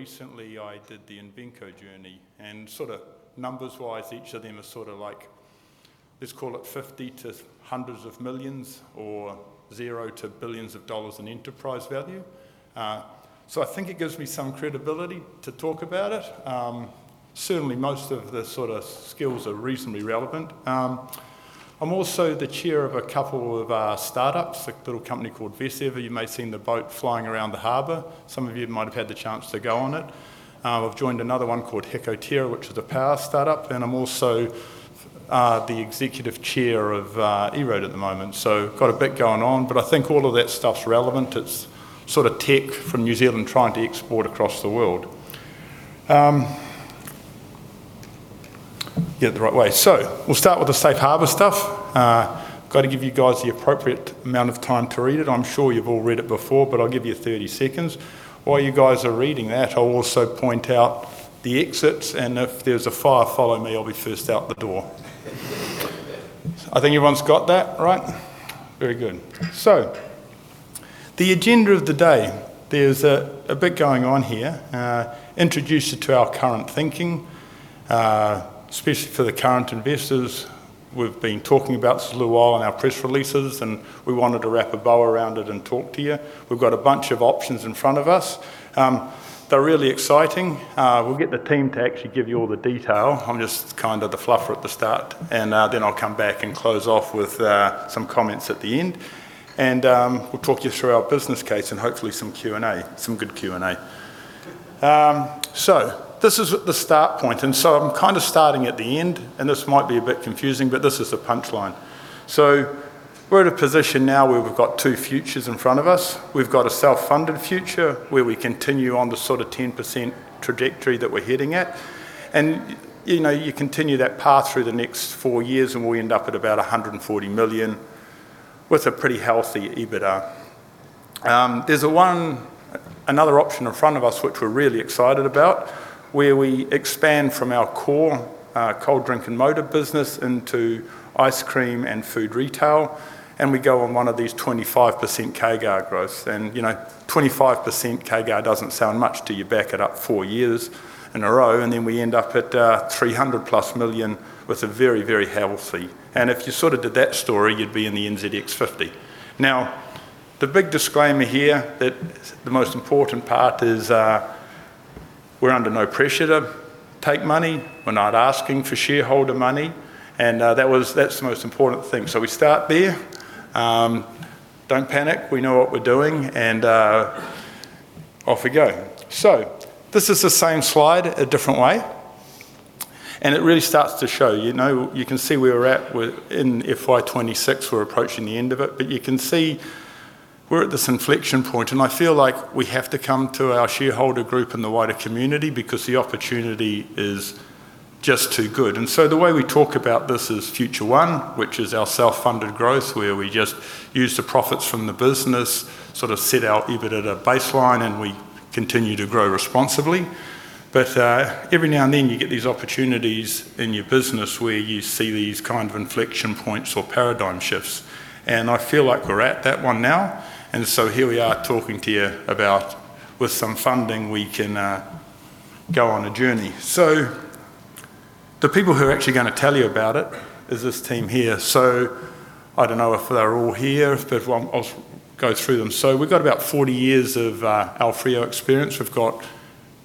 Then more recently I did the Invenco journey, and sort of numbers-wise each of them is sort of like, let's call it 50 to hundreds of millions or zero to billions of dollars in enterprise value. So I think it gives me some credibility to talk about it. Certainly most of the sort of skills are reasonably relevant. I'm also the chair of a couple of startups, a little company called Vessev. You may have seen the boat flying around the harbor. Some of you might have had the chance to go on it. I've joined another one called Hiko, which is a power startup, and I'm also the executive chair of EROAD at the moment. So I've got a bit going on, but I think all of that stuff's relevant. It's sort of tech from New Zealand trying to export across the world. Yeah, the right way. So we'll start with the safe harbor stuff. I've got to give you guys the appropriate amount of time to read it. I'm sure you've all read it before, but I'll give you 30 seconds. While you guys are reading that, I'll also point out the exits, and if there's a fire, follow me. I'll be first out the door. I think everyone's got that, right? Very good. So the agenda of the day, there's a bit going on here. Introduction to our current thinking, especially for the current investors. We've been talking about this a little while in our press releases, and we wanted to wrap a bow around it and talk to you. We've got a bunch of options in front of us. They're really exciting. We'll get the team to actually give you all the detail. I'm just kind of the fluffer at the start, and then I'll come back and close off with some comments at the end. And we'll talk you through our business case and hopefully some Q&A, some good Q&A. So this is the start point, and so I'm kind of starting at the end, and this might be a bit confusing, but this is the punchline. So we're at a position now where we've got two futures in front of us. We've got a self-funded future where we continue on the sort of 10% trajectory that we're heading at, and you continue that path through the next four years, and we'll end up at about 140 million with a pretty healthy EBITDA. There's another option in front of us which we're really excited about, where we expand from our core cold drink and motor business into ice cream and food retail, and we go on one of these 25% CAGR growths, and 25% CAGR doesn't sound much to you back it up four years in a row, and then we end up at 300+ million with a very, very healthy, and if you sort of did that story, you'd be in the NZX50. Now, the big disclaimer here that the most important part is we're under no pressure to take money. We're not asking for shareholder money, and that's the most important thing, so we start there. Don't panic. We know what we're doing, and off we go, so this is the same slide a different way, and it really starts to show. You can see we're at in FY 2026. We're approaching the end of it, but you can see we're at this inflection point, and I feel like we have to come to our shareholder group and the wider community because the opportunity is just too good. And so the way we talk about this is Future One, which is our self-funded growth, where we just use the profits from the business, sort of set our EBITDA baseline, and we continue to grow responsibly. But every now and then you get these opportunities in your business where you see these kind of inflection points or paradigm shifts, and I feel like we're at that one now. And so here we are talking to you about with some funding we can go on a journey. So the people who are actually going to tell you about it is this team here. I don't know if they're all here, but I'll go through them. We've got about 40 years of AoFrio experience. We've got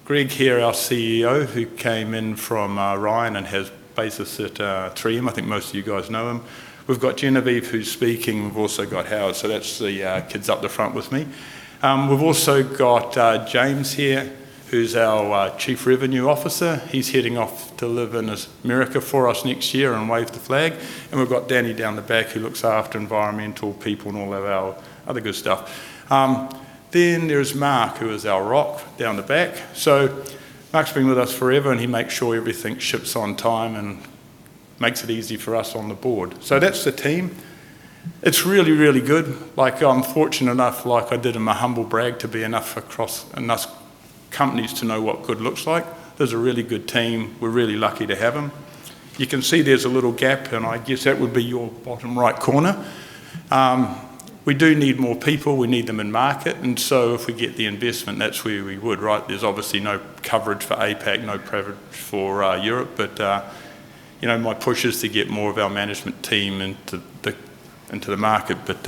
Greg here, our CEO, who came in from Orion Health and has been at 3M. I think most of you guys know him. We've got Genevieve who's speaking. We've also got Howard, so that's the kids up the front with me. We've also got James here who's our Chief Revenue Officer. He's heading off to live in America for us next year and wave the flag. We've got Danny down the back who looks after environmental people and all of our other good stuff. Then there is Mark, who is our rock down the back. Mark's been with us forever, and he makes sure everything ships on time and makes it easy for us on the board. That's the team. It's really, really good. I'm fortunate enough, like I did in my humble brag, to be enough across enough companies to know what good looks like. There's a really good team. We're really lucky to have them. You can see there's a little gap, and I guess that would be your bottom right corner. We do need more people. We need them in market, and so if we get the investment, that's where we would, right? There's obviously no coverage for APAC, no coverage for Europe, but my push is to get more of our management team into the market. But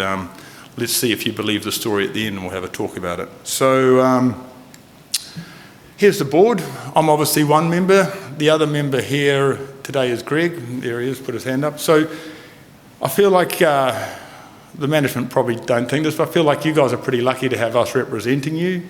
let's see if you believe the story at the end, and we'll have a talk about it. So here's the board. I'm obviously one member. The other member here today is Greg. There he is, put his hand up. So I feel like the management probably don't think this, but I feel like you guys are pretty lucky to have us representing you.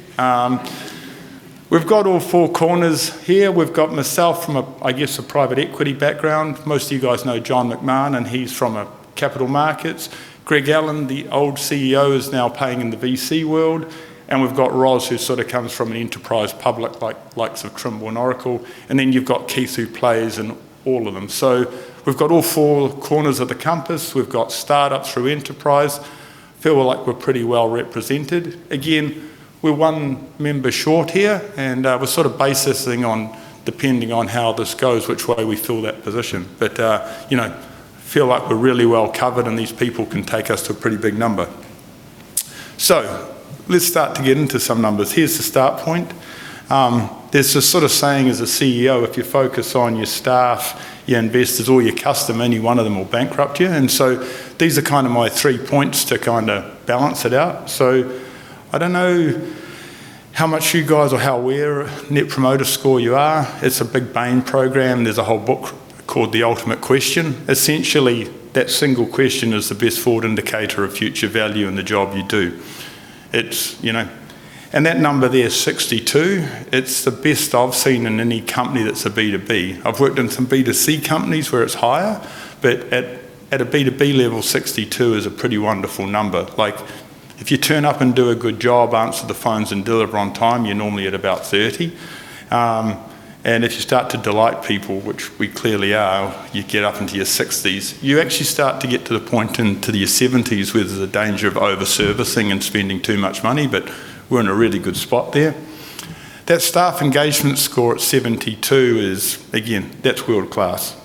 We've got all four corners here. We've got myself from a, I guess, a private equity background. Most of you guys know John Roberts, and he's from Capital Markets. Greg Allen, the old CEO, is now playing in the VC world. And we've got Ross, who sort of comes from an enterprise public like the likes of Trimble and Oracle. And then you've got Keith, who plays in all of them. So we've got all four corners of the compass. We've got startups through enterprise. I feel like we're pretty well represented. Again, we're one member short here, and we're sort of basing on depending on how this goes, which way we fill that position. I feel like we're really well covered, and these people can take us to a pretty big number. So let's start to get into some numbers. Here's the start point. There's this sort of saying as a CEO, if you focus on your staff, your investors, or your customer, any one of them will bankrupt you. And so these are kind of my three points to kind of balance it out. So I don't know how much you guys or how aware of Net Promoter Score you are. It's a big-brain program. There's a whole book called The Ultimate Question. Essentially, that single question is the best forward indicator of future value in the job you do. And that number there, 62, it's the best I've seen in any company that's a B2B. I've worked in some B2C companies where it's higher, but at a B2B level, 62 is a pretty wonderful number. If you turn up and do a good job, answer the phones, and deliver on time, you're normally at about 30, and if you start to delight people, which we clearly are, you get up into your 60s. You actually start to get to the point into your 70s where there's a danger of overservicing and spending too much money, but we're in a really good spot there. That staff engagement score at 72 is, again, that's world-class.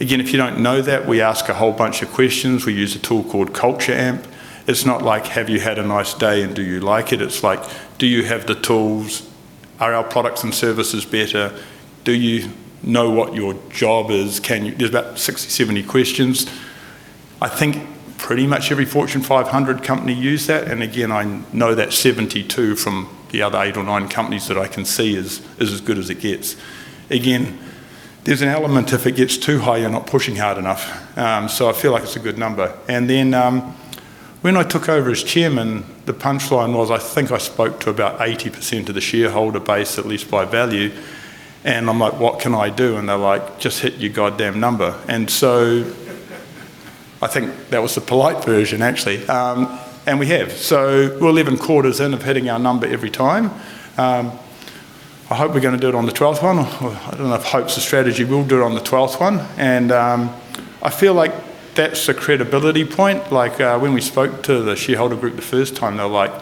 Again, if you don't know that, we ask a whole bunch of questions. We use a tool called Culture Amp. It's not like, "Have you had a nice day, and do you like it?" It's like, "Do you have the tools? Are our products and services better? Do you know what your job is?" There's about 60-70 questions. I think pretty much every Fortune 500 company used that, and again, I know that 72 from the other eight or nine companies that I can see is as good as it gets. Again, there's an element if it gets too high, you're not pushing hard enough. So I feel like it's a good number. And then when I took over as Chairman, the punchline was I think I spoke to about 80% of the shareholder base, at least by value, and I'm like, "What can I do?" And they're like, "Just hit your goddamn number." And so I think that was the polite version, actually. And we have. So we're 11 quarters in of hitting our number every time. I hope we're going to do it on the 12th one. I don't know if hope's a strategy. We'll do it on the 12th one. And I feel like that's a credibility point. When we spoke to the shareholder group the first time, they're like,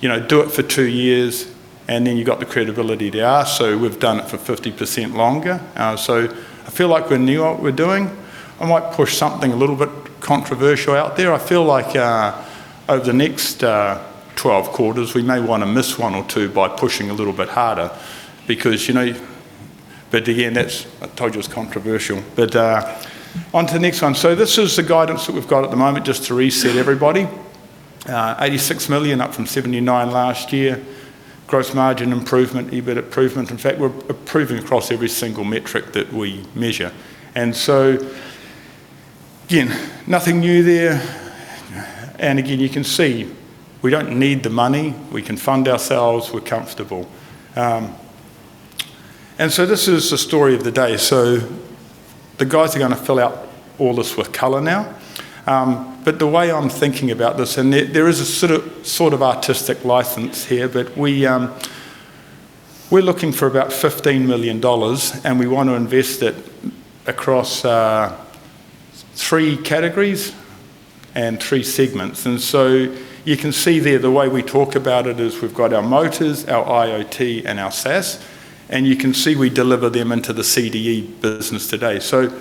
"Do it for two years, and then you've got the credibility there." So we've done it for 50% longer. So I feel like we're new at what we're doing. I might push something a little bit controversial out there. I feel like over the next 12 quarters, we may want to miss one or two by pushing a little bit harder because you know. But again, I told you it was controversial. But on to the next one. So this is the guidance that we've got at the moment, just to reset everybody. 86 million up from 79 million last year. Gross margin improvement, EBIT improvement. In fact, we're improving across every single metric that we measure. And so again, nothing new there. And again, you can see we don't need the money. We can fund ourselves. We're comfortable. And so this is the story of the day. So the guys are going to fill out all this with color now. But the way I'm thinking about this, and there is a sort of artistic license here, but we're looking for about 15 million dollars, and we want to invest it across three categories and three segments. And so you can see there the way we talk about it is we've got our motors, our IoT, and our SaaS, and you can see we deliver them into the CDE business today. So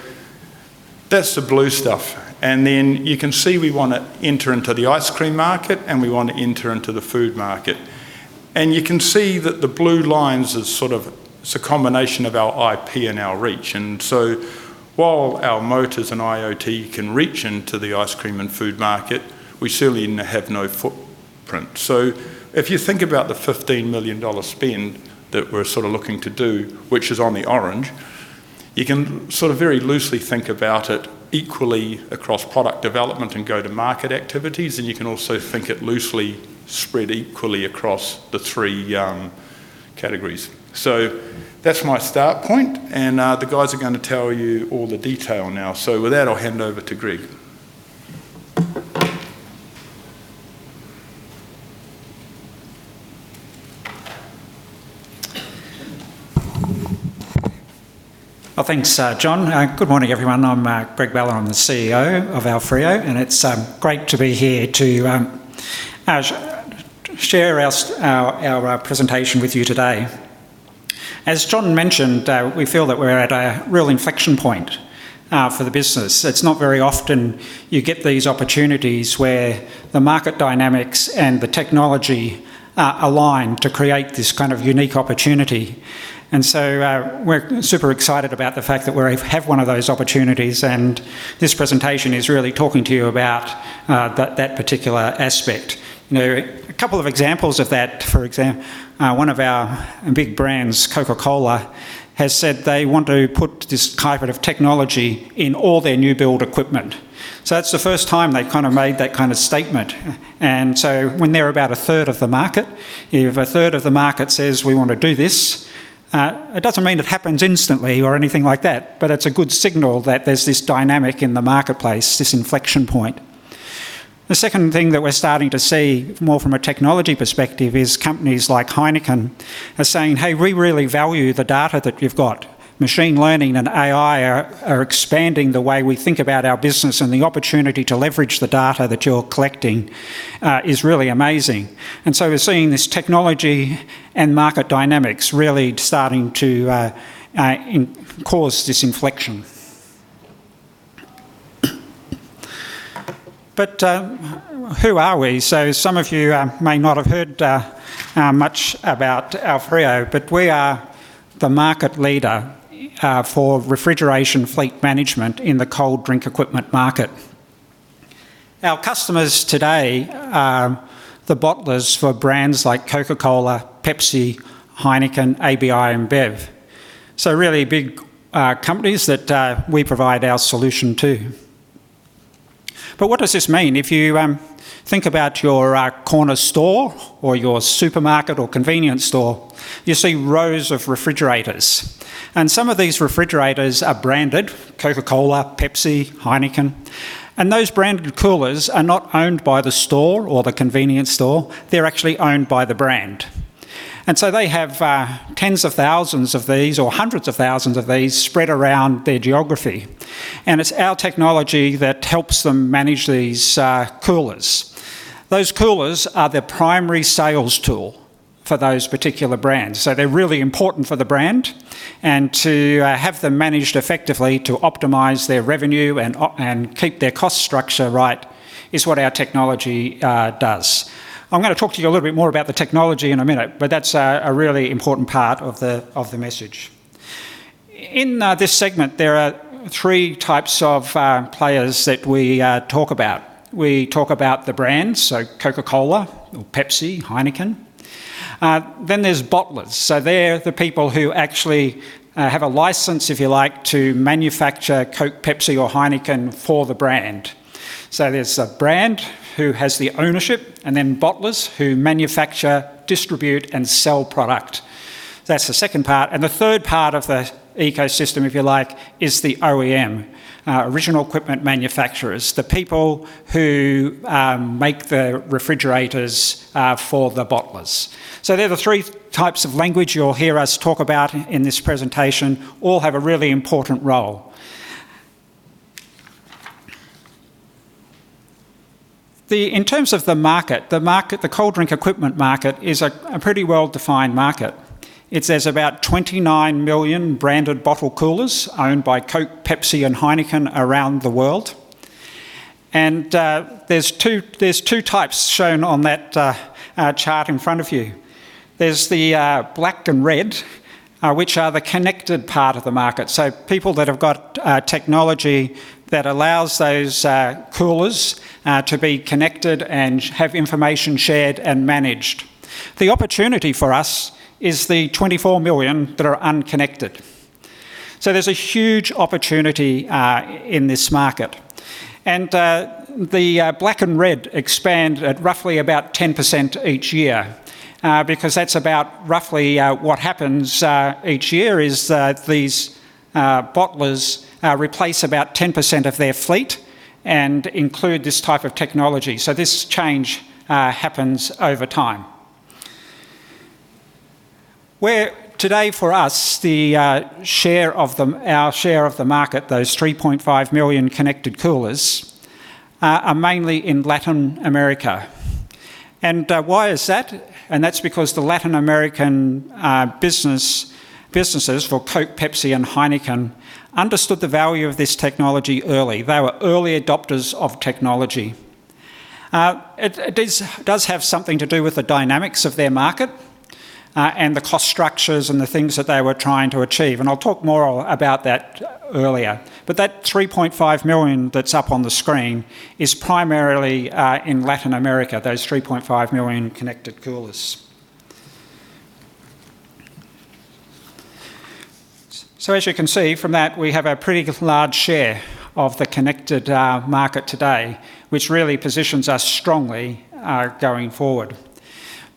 that's the blue stuff. And then you can see we want to enter into the ice cream market, and we want to enter into the food market. You can see that the blue lines is sort of it's a combination of our IP and our reach. While our motors and IoT can reach into the ice cream and food market, we certainly have no footprint. If you think about the 15 million dollar spend that we're sort of looking to do, which is on the orange, you can sort of very loosely think about it equally across product development and go-to-market activities, and you can also think it loosely spread equally across the three categories. That's my start point, and the guys are going to tell you all the detail now. With that, I'll hand over to Greg. Thanks, John. Good morning, everyone. I'm Greg Balla. I'm the CEO of AoFrio, and it's great to be here to share our presentation with you today. As John mentioned, we feel that we're at a real inflection point for the business. It's not very often you get these opportunities where the market dynamics and the technology align to create this kind of unique opportunity. And so we're super excited about the fact that we have one of those opportunities, and this presentation is really talking to you about that particular aspect. A couple of examples of that, for example, one of our big brands, Coca-Cola, has said they want to put this type of technology in all their new-build equipment. So that's the first time they've kind of made that kind of statement. And so when they're about a third of the market, if a third of the market says, "We want to do this," it doesn't mean it happens instantly or anything like that, but it's a good signal that there's this dynamic in the marketplace, this inflection point. The second thing that we're starting to see more from a technology perspective is companies like Heineken are saying, "Hey, we really value the data that you've got. Machine learning and AI are expanding the way we think about our business, and the opportunity to leverage the data that you're collecting is really amazing." And so we're seeing this technology and market dynamics really starting to cause this inflection. But who are we? So some of you may not have heard much about AoFrio, but we are the market leader for refrigeration fleet management in the cold drink equipment market. Our customers today are the bottlers for brands like Coca-Cola, Pepsi, Heineken, ABI, and Ambev. So really big companies that we provide our solution to. But what does this mean? If you think about your corner store or your supermarket or convenience store, you see rows of refrigerators. And some of these refrigerators are branded: Coca-Cola, Pepsi, Heineken. And those branded coolers are not owned by the store or the convenience store. They're actually owned by the brand. And so they have tens of thousands of these or hundreds of thousands of these spread around their geography. And it's our technology that helps them manage these coolers. Those coolers are the primary sales tool for those particular brands. So they're really important for the brand, and to have them managed effectively to optimize their revenue and keep their cost structure right is what our technology does. I'm going to talk to you a little bit more about the technology in a minute, but that's a really important part of the message. In this segment, there are three types of players that we talk about. We talk about the brands, so Coca-Cola, Pepsi, Heineken, then there's bottlers, so they're the people who actually have a license, if you like, to manufacture Coke, Pepsi, or Heineken for the brand. So there's a brand who has the ownership, and then bottlers who manufacture, distribute, and sell product. That's the second part, and the third part of the ecosystem, if you like, is the OEM, original equipment manufacturers, the people who make the refrigerators for the bottlers, so they're the three types of players you'll hear us talk about in this presentation, all have a really important role. In terms of the market, the cold drink equipment market is a pretty well-defined market. It's about 29 million branded bottle coolers owned by Coke, Pepsi, and Heineken around the world, and there's two types shown on that chart in front of you. There's the black and red, which are the connected part of the market, so people that have got technology that allows those coolers to be connected and have information shared and managed. The opportunity for us is the 24 million that are unconnected, so there's a huge opportunity in this market. The black and red expand at roughly about 10% each year because that's about roughly what happens each year is these bottlers replace about 10% of their fleet and include this type of technology. So this change happens over time. Today, for us, the share of our share of the market, those 3.5 million connected coolers, are mainly in Latin America. Why is that? That's because the Latin American businesses for Coke, Pepsi, and Heineken understood the value of this technology early. They were early adopters of technology. It does have something to do with the dynamics of their market and the cost structures and the things that they were trying to achieve. I'll talk more about that earlier. That 3.5 million that's up on the screen is primarily in Latin America, those 3.5 million connected coolers. As you can see from that, we have a pretty large share of the connected market today, which really positions us strongly going forward.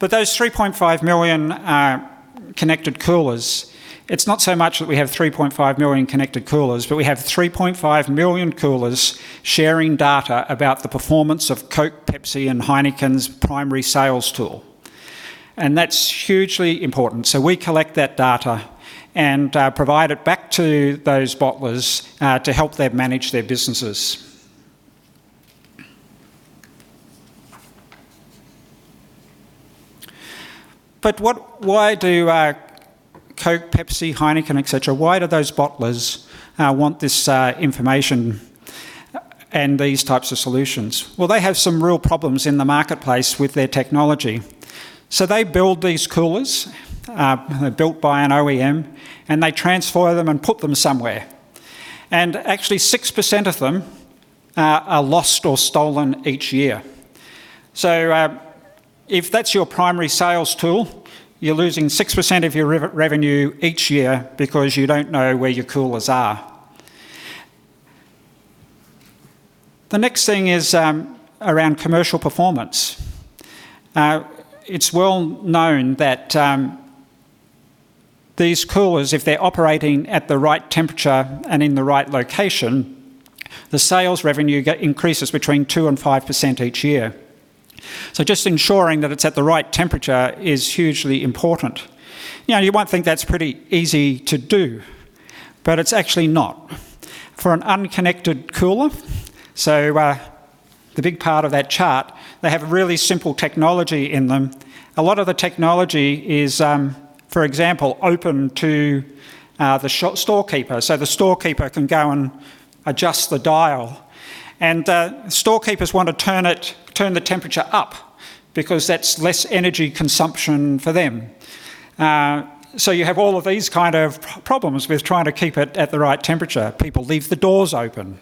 Those 3.5 million connected coolers, it's not so much that we have 3.5 million connected coolers, but we have 3.5 million coolers sharing data about the performance of Coke, Pepsi, and Heineken's primary sales tool. That's hugely important. We collect that data and provide it back to those bottlers to help them manage their businesses. Why do Coke, Pepsi, Heineken, etc., why do those bottlers want this information and these types of solutions? They have some real problems in the marketplace with their technology. They build these coolers built by an OEM, and they transfer them and put them somewhere. Actually, 6% of them are lost or stolen each year. If that's your primary sales tool, you're losing 6% of your revenue each year because you don't know where your coolers are. The next thing is around commercial performance. It's well known that these coolers, if they're operating at the right temperature and in the right location, the sales revenue increases between 2% and 5% each year. So just ensuring that it's at the right temperature is hugely important. You might think that's pretty easy to do, but it's actually not. For an unconnected cooler, so the big part of that chart, they have a really simple technology in them. A lot of the technology is, for example, open to the storekeeper. So the storekeeper can go and adjust the dial. And storekeepers want to turn the temperature up because that's less energy consumption for them. So you have all of these kind of problems with trying to keep it at the right temperature. People leave the doors open.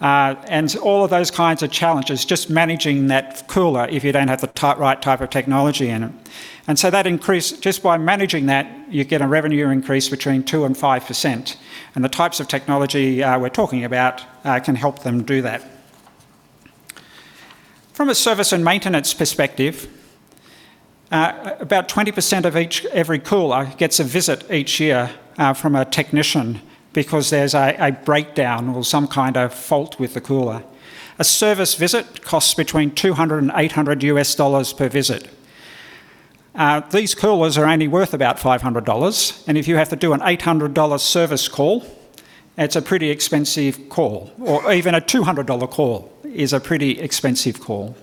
And all of those kinds of challenges, just managing that cooler if you don't have the right type of technology in it. And so that increase, just by managing that, you get a revenue increase between 2% and 5%. And the types of technology we're talking about can help them do that. From a service and maintenance perspective, about 20% of every cooler gets a visit each year from a technician because there's a breakdown or some kind of fault with the cooler. A service visit costs between 200 and NZD 800 per visit. These coolers are only worth about 500 dollars. And if you have to do an 800 dollars service call, it's a pretty expensive call. Or even a 200 dollar call is a pretty expensive call.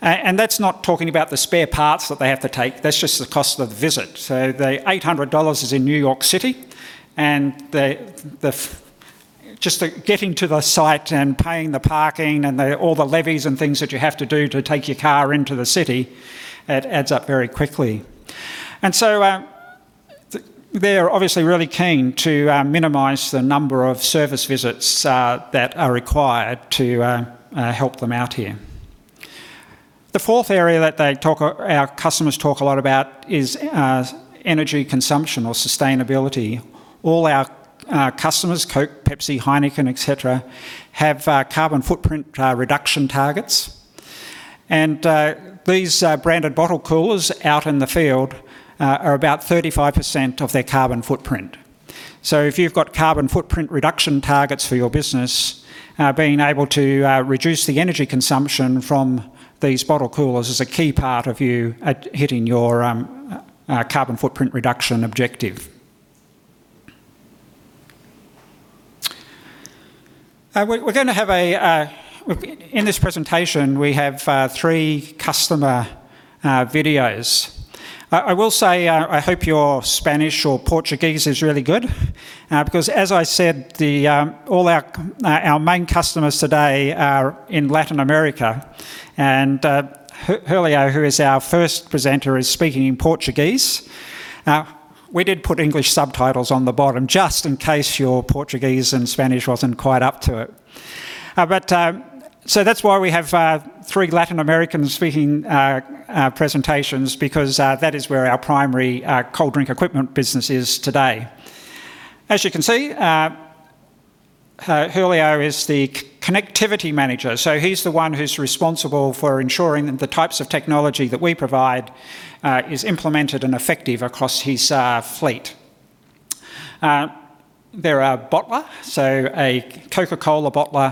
And that's not talking about the spare parts that they have to take. That's just the cost of the visit. So the 800 dollars is in New York City. And just getting to the site and paying the parking and all the levies and things that you have to do to take your car into the city, it adds up very quickly. And so they're obviously really keen to minimize the number of service visits that are required to help them out here. The fourth area that our customers talk a lot about is energy consumption or sustainability. All our customers, Coke, Pepsi, Heineken, etc., have carbon footprint reduction targets. And these branded bottle coolers out in the field are about 35% of their carbon footprint. So if you've got carbon footprint reduction targets for your business, being able to reduce the energy consumption from these bottle coolers is a key part of you hitting your carbon footprint reduction objective. We're going to have, in this presentation, three customer videos. I will say I hope your Spanish or Portuguese is really good because, as I said, all our main customers today are in Latin America, and Julio, who is our first presenter, is speaking in Portuguese. We did put English subtitles on the bottom just in case your Portuguese and Spanish wasn't quite up to it, but so that's why we have three Latin American speaking presentations because that is where our primary cold drink equipment business is today. As you can see, Julio is the connectivity manager. So he's the one who's responsible for ensuring that the types of technology that we provide is implemented and effective across his fleet. They're bottlers, so a Coca-Cola bottler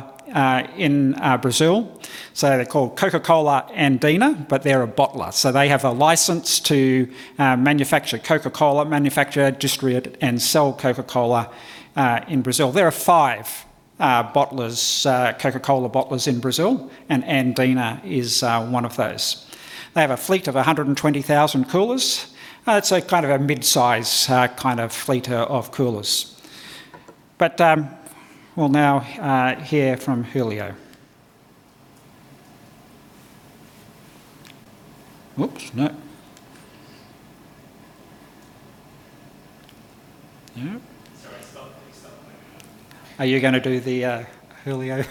in Brazil. So they're called Coca-Cola Andina, but they're a bottler. They have a license to manufacture Coca-Cola, manufacture, distribute, and sell Coca-Cola in Brazil. There are five bottlers, Coca-Cola bottlers in Brazil, and Andina is one of those. They have a fleet of 120,000 coolers. It's a kind of a mid-size kind of fleet of coolers. But we'll now hear from Julio. Oops, no. Are you going to do the Julio?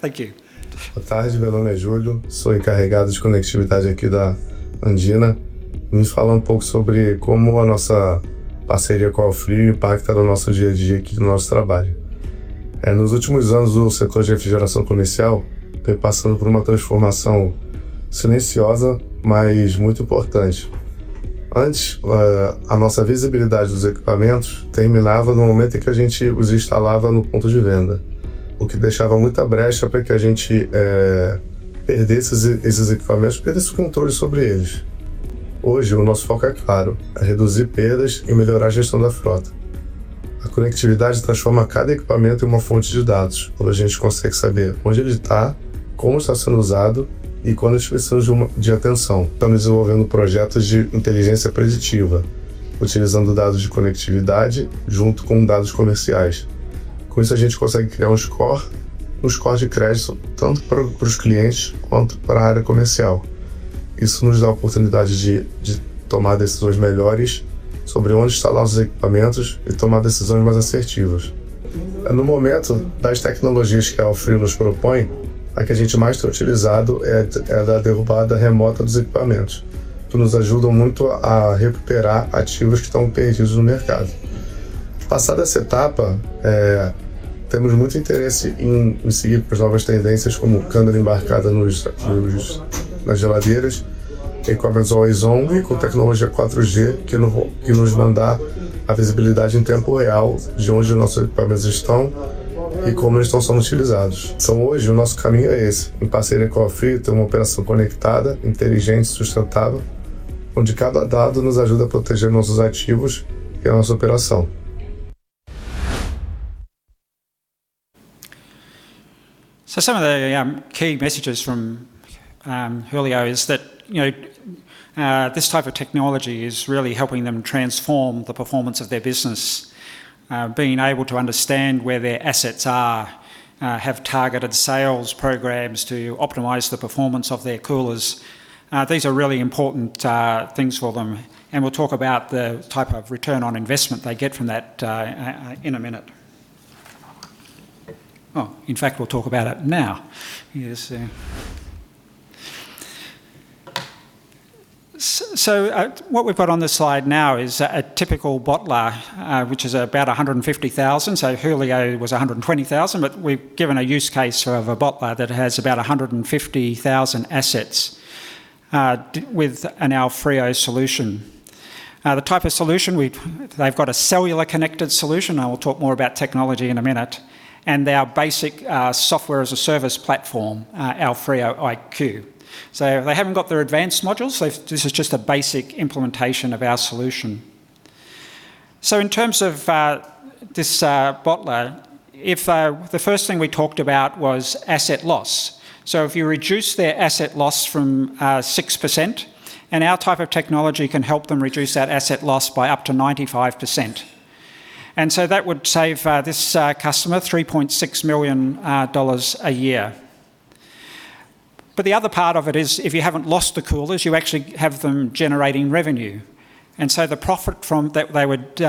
Thank you. Boa tarde, meu nome é Júlio. Sou encarregado de conectividade aqui da Andina. Vamos falar pouco sobre como a nossa parceria com a AoFrio impacta no nosso dia a dia aqui no nosso trabalho. Nos últimos anos, o setor de refrigeração comercial vem passando por uma transformação silenciosa, mas muito importante. Antes, a nossa visibilidade dos equipamentos terminava no momento em que a gente os instalava no ponto de venda, o que deixava muita brecha para que a gente perdesse esses equipamentos, perdesse o controle sobre eles. Hoje, o nosso foco é claro: reduzir perdas e melhorar a gestão da frota. A conectividade transforma cada equipamento em uma fonte de dados, onde a gente consegue saber onde ele está, como está sendo usado e quando a gente precisa de atenção. Estamos desenvolvendo projetos de inteligência preditiva, utilizando dados de conectividade junto com dados comerciais. Com isso, a gente consegue criar score, score de crédito tanto para os clientes quanto para a área comercial. Isso nos dá a oportunidade de tomar decisões melhores sobre onde instalar os equipamentos e tomar decisões mais assertivas. No momento das tecnologias que a AoFrio nos propõe, a que a gente mais tem utilizado é a da derrubada remota dos equipamentos, que nos ajudam muito a recuperar ativos que estão perdidos no mercado. Passada essa etapa, temos muito interesse em seguir com as novas tendências, como câmera embarcada nas geladeiras, equipamentos ao horizonte e com tecnologia 4G, que nos dá a visibilidade em tempo real de onde os nossos equipamentos estão e como eles estão sendo utilizados. Então, hoje, o nosso caminho é esse. Em parceria com a AoFrio, temos uma operação conectada, inteligente e sustentável, onde cada dado nos ajuda a proteger nossos ativos e a nossa operação. Some of the key messages from Julio are that this type of technology is really helping them transform the performance of their business, being able to understand where their assets are, have targeted sales programs to optimize the performance of their coolers. These are really important things for them. We will talk about the type of return on investment they get from that in a minute. In fact, we will talk about it now. What we have got on the slide now is a typical bottler, which is about 150,000. Julio was 120,000, but we have given a use case of a bottler that has about 150,000 assets with an AoFrio solution. The type of solution they have got is a cellular connected solution. I will talk more about technology in a minute. Their basic software as AoFrio iQ. they have not got their advanced modules. This is just a basic implementation of our solution. So in terms of this bottler, the first thing we talked about was asset loss. So if you reduce their asset loss from 6%, our type of technology can help them reduce that asset loss by up to 95%. And so that would save this customer 3.6 million dollars a year. But the other part of it is if you haven't lost the coolers, you actually have them generating revenue. And so the profit that they would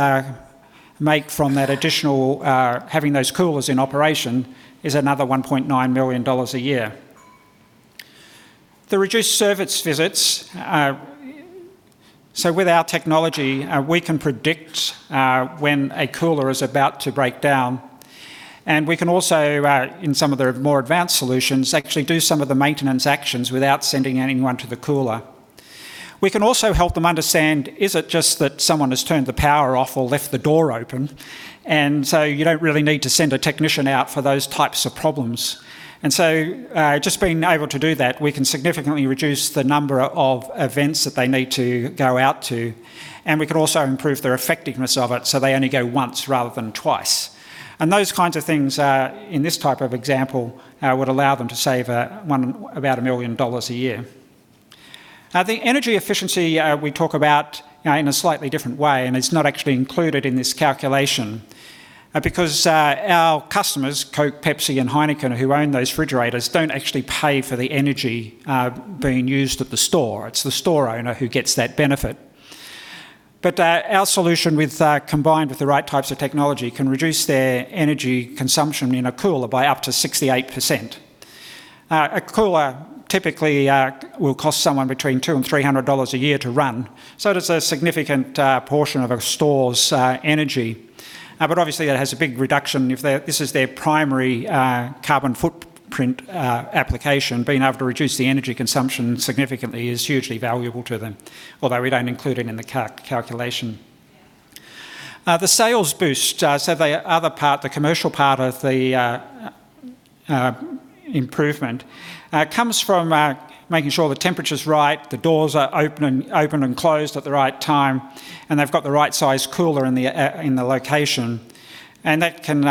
make from that additional having those coolers in operation is another 1.9 million dollars a year. The reduced service visits, so with our technology, we can predict when a cooler is about to break down. And we can also, in some of the more advanced solutions, actually do some of the maintenance actions without sending anyone to the cooler. We can also help them understand, is it just that someone has turned the power off or left the door open? You don't really need to send a technician out for those types of problems. Just being able to do that, we can significantly reduce the number of events that they need to go out to. We can also improve the effectiveness of it so they only go once rather than twice. Those kinds of things in this type of example would allow them to save about 1 million dollars a year. The energy efficiency we talk about in a slightly different way, and it's not actually included in this calculation because our customers, Coke, Pepsi, and Heineken, who own those refrigerators, don't actually pay for the energy being used at the store. It's the store owner who gets that benefit. But our solution, combined with the right types of technology, can reduce their energy consumption in a cooler by up to 68%. A cooler typically will cost someone between 200 and 300 dollars a year to run. So it is a significant portion of a store's energy. But obviously, it has a big reduction. This is their primary carbon footprint application. Being able to reduce the energy consumption significantly is hugely valuable to them, although we don't include it in the calculation. The sales boost, so the other part, the commercial part of the improvement, comes from making sure the temperature's right, the doors are open and closed at the right time, and they've got the right size cooler in the location. And that can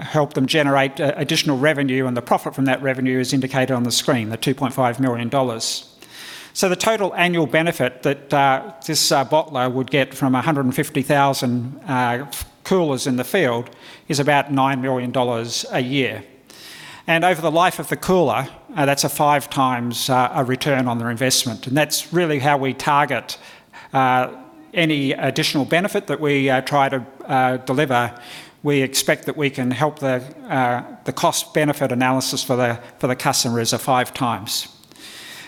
help them generate additional revenue, and the profit from that revenue is indicated on the screen, the 2.5 million dollars. The total annual benefit that this bottler would get from 150,000 coolers in the field is about 9 million dollars a year. Over the life of the cooler, that's a 5x return on their investment. That's really how we target any additional benefit that we try to deliver. We expect that we can help the cost-benefit analysis for the customers five times.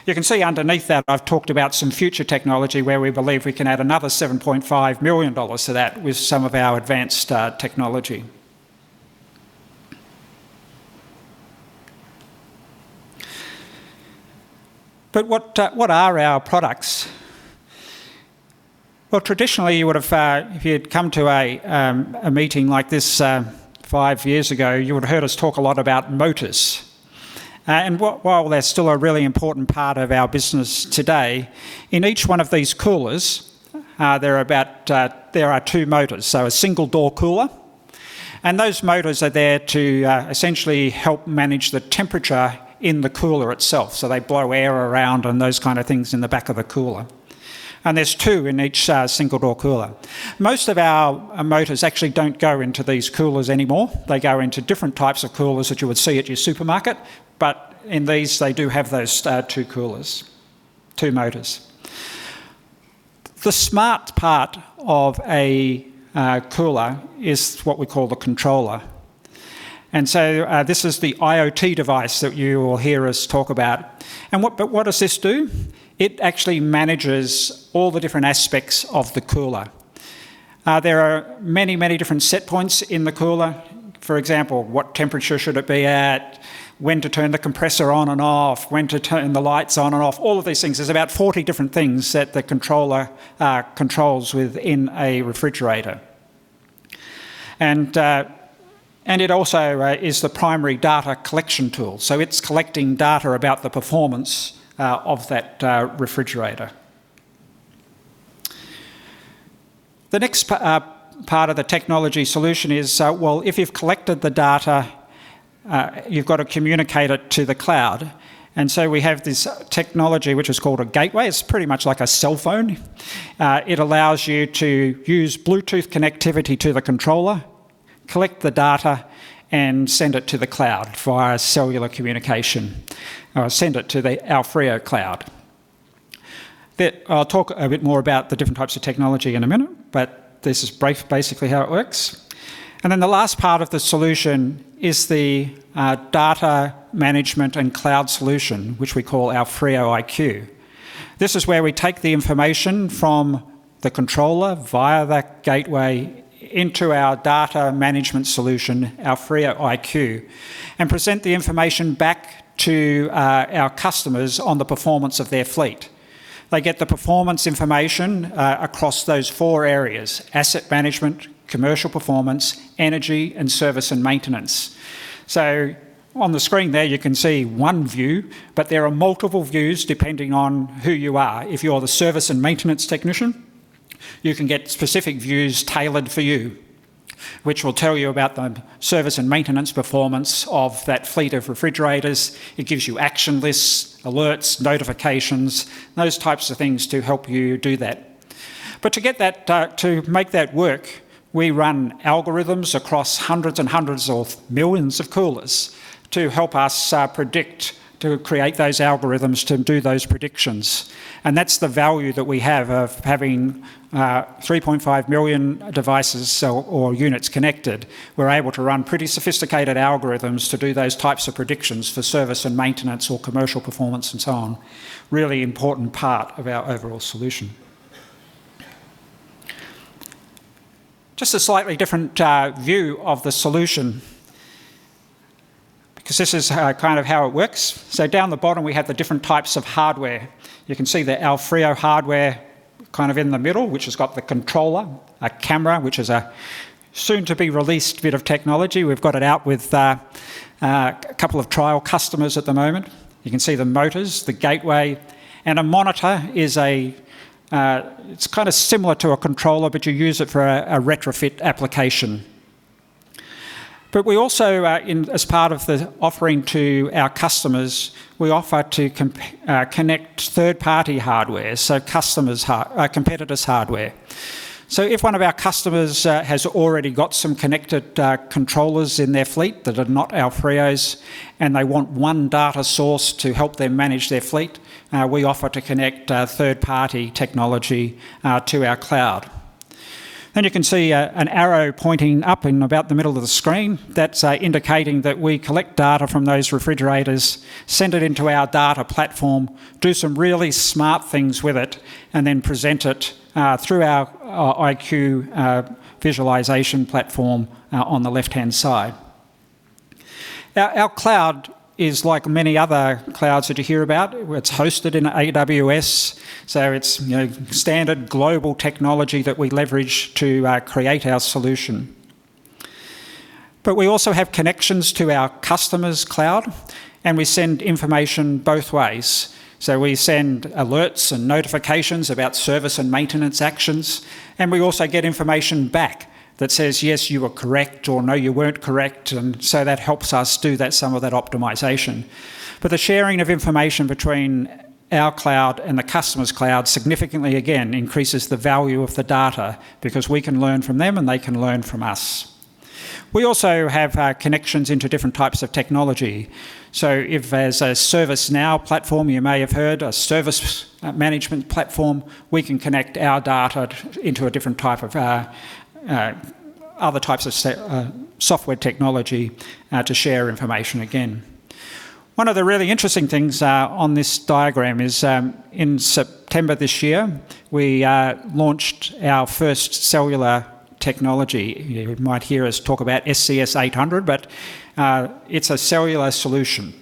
You can see underneath that I've talked about some future technology where we believe we can add another 7.5 million dollars to that with some of our advanced technology. What are our products? Traditionally, if you had come to a meeting like this five years ago, you would have heard us talk a lot about motors. While they're still a really important part of our business today, in each one of these coolers, there are two motors. A single-door cooler. And those motors are there to essentially help manage the temperature in the cooler itself. So they blow air around and those kinds of things in the back of the cooler. And there's two in each single-door cooler. Most of our motors actually don't go into these coolers anymore. They go into different types of coolers that you would see at your supermarket. But in these, they do have those two coolers, two motors. The smart part of a cooler is what we call the controller. And so this is the IoT device that you will hear us talk about. But what does this do? It actually manages all the different aspects of the cooler. There are many, many different setpoints in the cooler. For example, what temperature should it be at, when to turn the compressor on and off, when to turn the lights on and off. All of these things. There's about 40 different things that the controller controls within a refrigerator. And it also is the primary data collection tool. So it's collecting data about the performance of that refrigerator. The next part of the technology solution is, well, if you've collected the data, you've got to communicate it to the cloud. And so we have this technology which is called a gateway. It's pretty much like a cell phone. It allows you to use Bluetooth connectivity to the controller, collect the data, and send it to the cloud via cellular communication, or send it to the AoFrio Cloud. I'll talk a bit more about the different types of technology in a minute, but this is basically how it works. And then the last part of the solution is the data management and cloud solution, which we call AoFrio iQ. This is where we take the information from the controller via that gateway into our AoFrio iQ, and present the information back to our customers on the performance of their fleet. They get the performance information across those four areas: asset management, commercial performance, energy, and service and maintenance. So on the screen there, you can see one view, but there are multiple views depending on who you are. If you're the service and maintenance technician, you can get specific views tailored for you, which will tell you about the service and maintenance performance of that fleet of refrigerators. It gives you action lists, alerts, notifications, those types of things to help you do that. But to make that work, we run algorithms across hundreds and hundreds of millions of coolers to help us predict, to create those algorithms, to do those predictions. That's the value that we have of having 3.5 million devices or units connected. We're able to run pretty sophisticated algorithms to do those types of predictions for service and maintenance or commercial performance and so on. Really important part of our overall solution. Just a slightly different view of the solution because this is kind of how it works. So down the bottom, we have the different types of hardware. You can see the AoFrio hardware kind of in the middle, which has got the controller, a camera, which is a soon-to-be-released bit of technology. We've got it out with a couple of trial customers at the moment. You can see the motors, the gateway, and a monitor. It's kind of similar to a controller, but you use it for a retrofit application. But we also, as part of the offering to our customers, we offer to connect third-party hardware, so competitors' hardware. So if one of our customers has already got some connected controllers in their fleet that are not AoFrio's and they want one data source to help them manage their fleet, we offer to connect third-party technology to our cloud. And you can see an arrow pointing up in about the middle of the screen. That's indicating that we collect data from those refrigerators, send it into our data platform, do some really smart things with it, and then present it through our IQ visualization platform on the left-hand side. Our cloud is like many other clouds that you hear about. It's hosted in AWS. So it's standard global technology that we leverage to create our solution. But we also have connections to our customers' cloud, and we send information both ways. So we send alerts and notifications about service and maintenance actions. And we also get information back that says, "Yes, you were correct," or, "No, you weren't correct." And so that helps us do some of that optimization. But the sharing of information between our cloud and the customer's cloud significantly, again, increases the value of the data because we can learn from them and they can learn from us. We also have connections into different types of technology. So if there's a ServiceNow platform, you may have heard, a service management platform, we can connect our data into a different type of other types of software technology to share information again. One of the really interesting things on this diagram is in September this year, we launched our first cellular technology. You might hear us talk about SCS 800, but it's a cellular solution.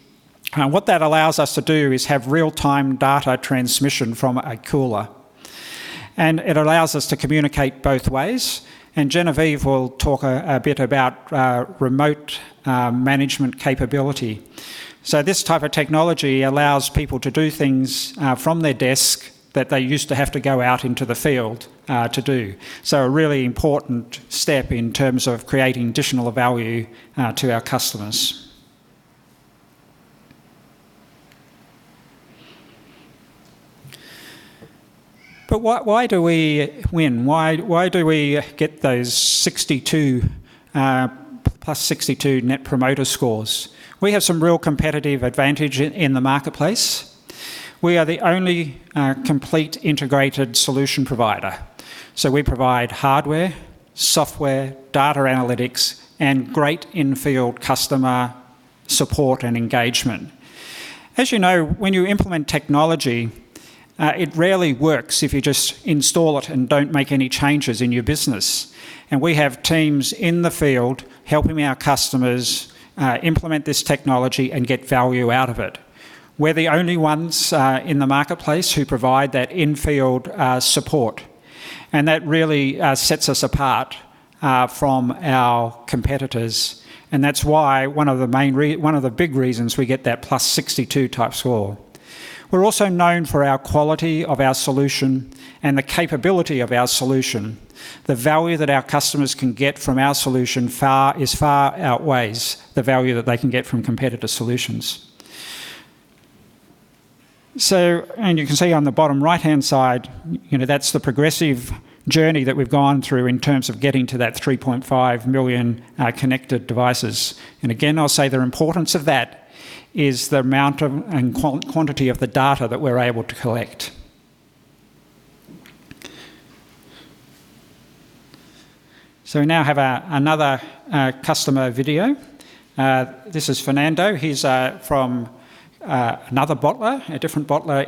What that allows us to do is have real-time data transmission from a cooler, and it allows us to communicate both ways, and Genevieve will talk a bit about remote management capability, so this type of technology allows people to do things from their desk that they used to have to go out into the field to do, so a really important step in terms of creating additional value to our customers, but why do we win? Why do we get those 62 plus 62 Net Promoter Scores? We have some real competitive advantage in the marketplace. We are the only complete integrated solution provider, so we provide hardware, software, data analytics, and great in-field customer support and engagement. As you know, when you implement technology, it rarely works if you just install it and don't make any changes in your business. And we have teams in the field helping our customers implement this technology and get value out of it. We're the only ones in the marketplace who provide that in-field support. And that really sets us apart from our competitors. And that's why one of the big reasons we get that plus 62 type score. We're also known for our quality of our solution and the capability of our solution. The value that our customers can get from our solution far outweighs the value that they can get from competitor solutions. And you can see on the bottom right-hand side, that's the progressive journey that we've gone through in terms of getting to that 3.5 million connected devices. Again, I'll say the importance of that is the amount and quantity of the data that we're able to collect. We now have another customer video. This is Fernando. He's from another bottler, a different bottler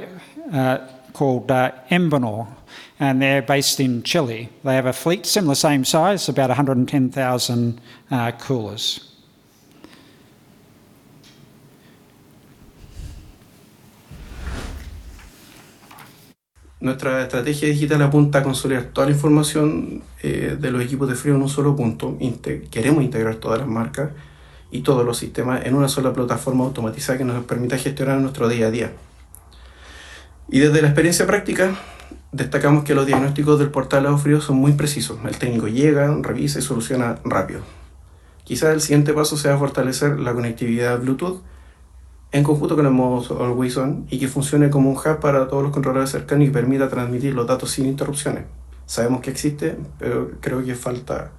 called Embonor. They're based in Chile. They have a fleet similar same size, about 110,000 coolers. Nuestra estrategia es quitar a punta consolidar toda la información de los equipos de frío en un solo punto. Queremos integrar todas las marcas y todos los sistemas en una sola plataforma automatizada que nos permita gestionar nuestro día a día. Y desde la experiencia práctica, destacamos que los diagnósticos del portal AoFrio son muy precisos. El técnico llega, revisa y soluciona rápido. Quizás el siguiente paso sea fortalecer la conectividad Bluetooth en conjunto con el modo always on y que funcione como un hub para todos los controladores cercanos y permita transmitir los datos sin interrupciones. Sabemos que existe, pero creo que falta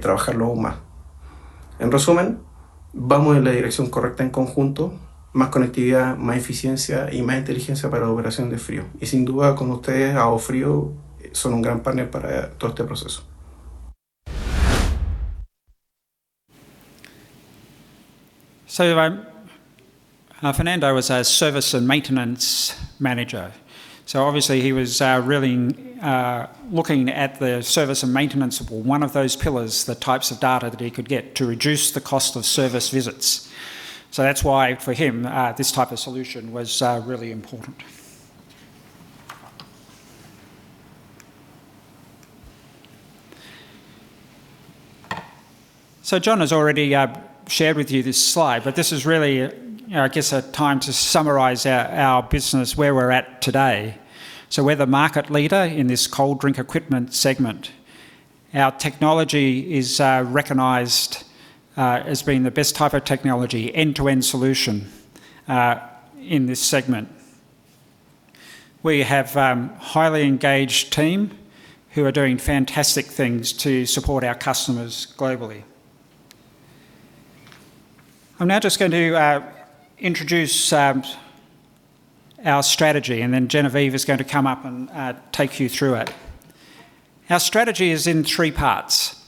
trabajarlo aún más. En resumen, vamos en la dirección correcta en conjunto: más conectividad, más eficiencia y más inteligencia para la operación de frío. Y sin duda, con ustedes, AoFrio son un gran partner para todo este proceso. So Fernando, I was a service and maintenance manager. So obviously, he was really looking at the service and maintenance of one of those pillars, the types of data that he could get to reduce the cost of service visits. So that's why, for him, this type of solution was really important. John has already shared with you this slide, but this is really, I guess, a time to summarize our business, where we're at today. We're the market leader in this cold drink equipment segment. Our technology is recognized as being the best type of technology, end-to-end solution in this segment. We have a highly engaged team who are doing fantastic things to support our customers globally. I'm now just going to introduce our strategy, and then Genevieve is going to come up and take you through it. Our strategy is in three parts.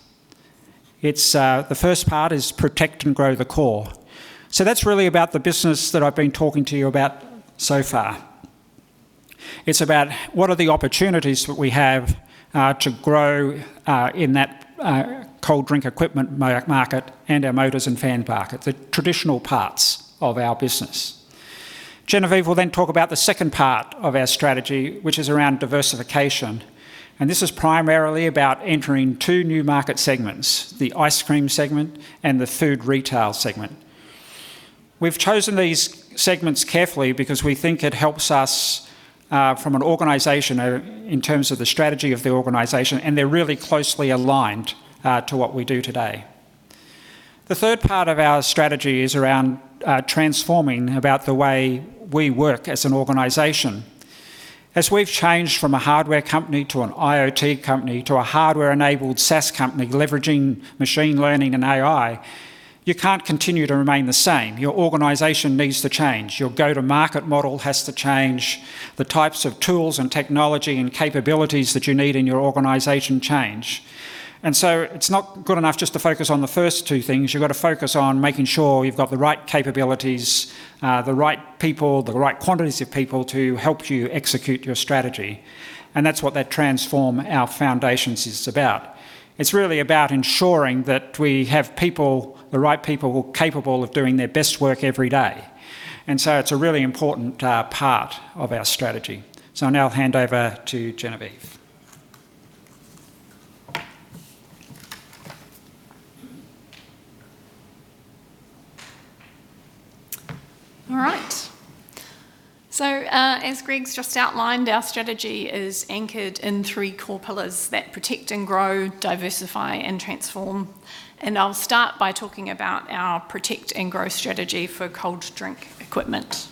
The first part is protect and grow the core. That's really about the business that I've been talking to you about so far. It's about what are the opportunities that we have to grow in that cold drink equipment market and our motors and fan market, the traditional parts of our business. Genevieve will then talk about the second part of our strategy, which is around diversification. And this is primarily about entering two new market segments: the ice cream segment and the food retail segment. We've chosen these segments carefully because we think it helps us from an organization in terms of the strategy of the organization, and they're really closely aligned to what we do today. The third part of our strategy is around transforming about the way we work as an organization. As we've changed from a hardware company to an IoT company to a hardware-enabled SaaS company leveraging machine learning and AI, you can't continue to remain the same. Your organization needs to change. Your go-to-market model has to change. The types of tools and technology and capabilities that you need in your organization change. It's not good enough just to focus on the first two things. You've got to focus on making sure you've got the right capabilities, the right people, the right quantities of people to help you execute your strategy. And that's what that transform our foundations is about. It's really about ensuring that we have people, the right people, capable of doing their best work every day. And so it's a really important part of our strategy. So now I'll hand over to Genevieve. All right. So as Greg's just outlined, our strategy is anchored in three core pillars: that protect and grow, diversify, and transform. And I'll start by talking about our protect and grow strategy for cold drink equipment.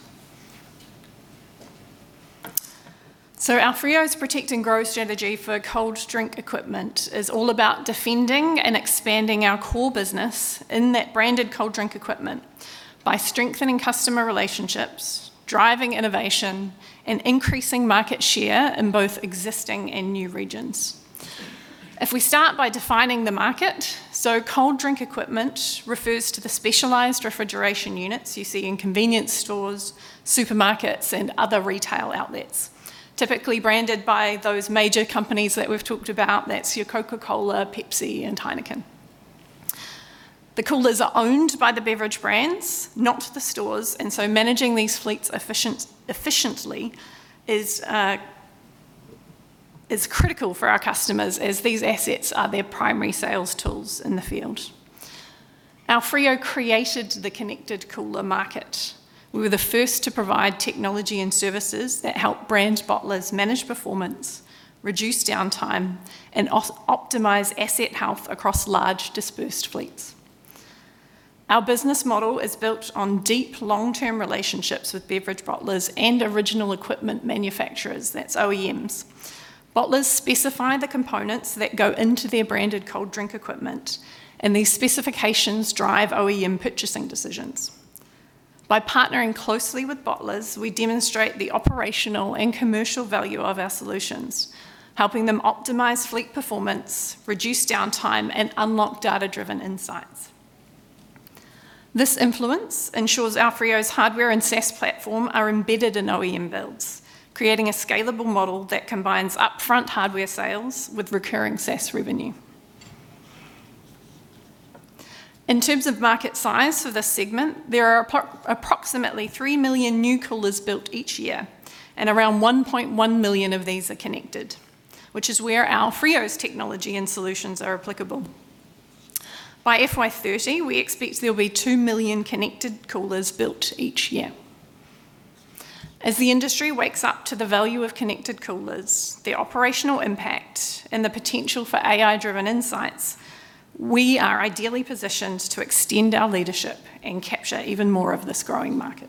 So AoFrio's protect and grow strategy for cold drink equipment is all about defending and expanding our core business in that branded cold drink equipment by strengthening customer relationships, driving innovation, and increasing market share in both existing and new regions. If we start by defining the market, cold drink equipment refers to the specialized refrigeration units you see in convenience stores, supermarkets, and other retail outlets, typically branded by those major companies that we've talked about. That's your Coca-Cola, Pepsi, and Heineken. The coolers are owned by the beverage brands, not the stores. And so managing these fleets efficiently is critical for our customers as these assets are their primary sales tools in the field. AoFrio created the connected cooler market. We were the first to provide technology and services that help brand bottlers manage performance, reduce downtime, and optimize asset health across large dispersed fleets. Our business model is built on deep long-term relationships with beverage bottlers and original equipment manufacturers. That's OEMs. Bottlers specify the components that go into their branded cold drink equipment, and these specifications drive OEM purchasing decisions. By partnering closely with bottlers, we demonstrate the operational and commercial value of our solutions, helping them optimize fleet performance, reduce downtime, and unlock data-driven insights. This influence ensures AoFrio's hardware and SaaS platform are embedded in OEM builds, creating a scalable model that combines upfront hardware sales with recurring SaaS revenue. In terms of market size for this segment, there are approximately 3 million new coolers built each year, and around 1.1 million of these are connected, which is where AoFrio's technology and solutions are applicable. By FY 2030, we expect there will be 2 million connected coolers built each year. As the industry wakes up to the value of connected coolers, the operational impact, and the potential for AI-driven insights, we are ideally positioned to extend our leadership and capture even more of this growing market.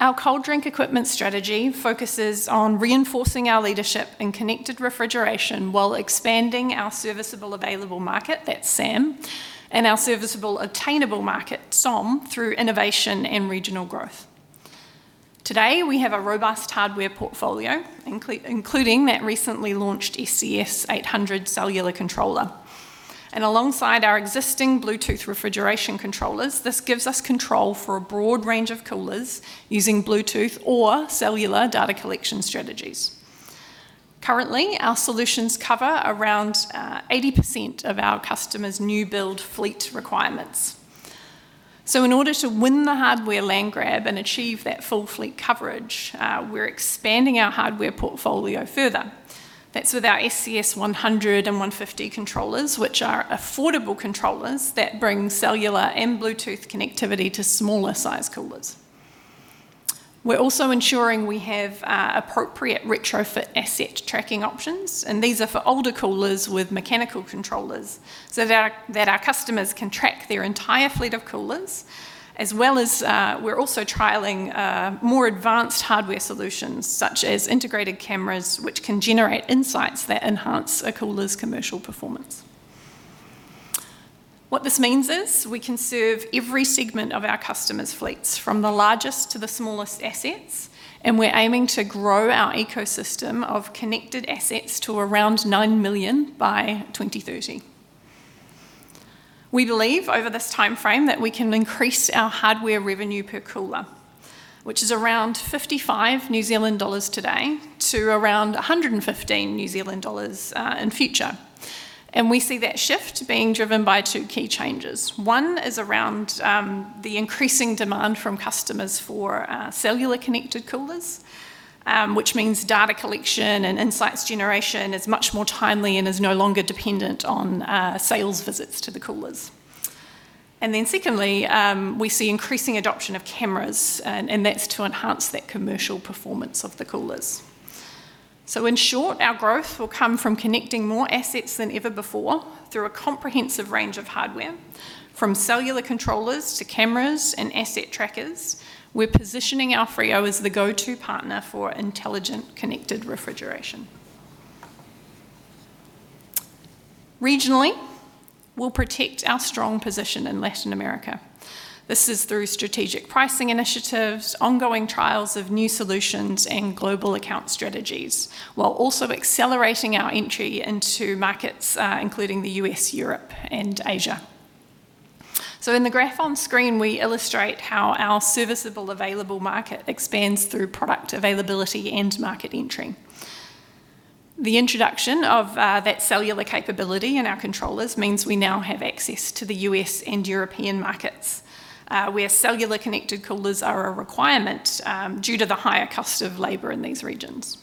Our cold drink equipment strategy focuses on reinforcing our leadership in connected refrigeration while expanding our serviceable available market, that's SAM, and our serviceable obtainable market, SOM, through innovation and regional growth. Today, we have a robust hardware portfolio, including that recently launched SCS 800 cellular controller. And alongside our existing Bluetooth refrigeration controllers, this gives us control for a broad range of coolers using Bluetooth or cellular data collection strategies. Currently, our solutions cover around 80% of our customers' new build fleet requirements. So in order to win the hardware land grab and achieve that full fleet coverage, we're expanding our hardware portfolio further. That's with our SCS 100 and 150 controllers, which are affordable controllers that bring cellular and Bluetooth connectivity to smaller-sized coolers. We're also ensuring we have appropriate retrofit asset tracking options, and these are for older coolers with mechanical controllers so that our customers can track their entire fleet of coolers, as well as we're also trialing more advanced hardware solutions such as integrated cameras, which can generate insights that enhance a cooler's commercial performance. What this means is we can serve every segment of our customers' fleets, from the largest to the smallest assets, and we're aiming to grow our ecosystem of connected assets to around 9 million by 2030. We believe over this timeframe that we can increase our hardware revenue per cooler, which is around 55 New Zealand dollars today to around 115 New Zealand dollars in future. And we see that shift being driven by two key changes. One is around the increasing demand from customers for cellular connected coolers, which means data collection and insights generation is much more timely and is no longer dependent on sales visits to the coolers. And then secondly, we see increasing adoption of cameras, and that's to enhance that commercial performance of the coolers. So in short, our growth will come from connecting more assets than ever before through a comprehensive range of hardware, from cellular controllers to cameras and asset trackers. We're positioning AoFrio as the go-to partner for intelligent connected refrigeration. Regionally, we'll protect our strong position in Latin America. This is through strategic pricing initiatives, ongoing trials of new solutions, and global account strategies, while also accelerating our entry into markets including the U.S., Europe, and Asia. So in the graph on screen, we illustrate how our serviceable available market expands through product availability and market entry. The introduction of that cellular capability in our controllers means we now have access to the U.S. and European markets, where cellular connected coolers are a requirement due to the higher cost of labor in these regions.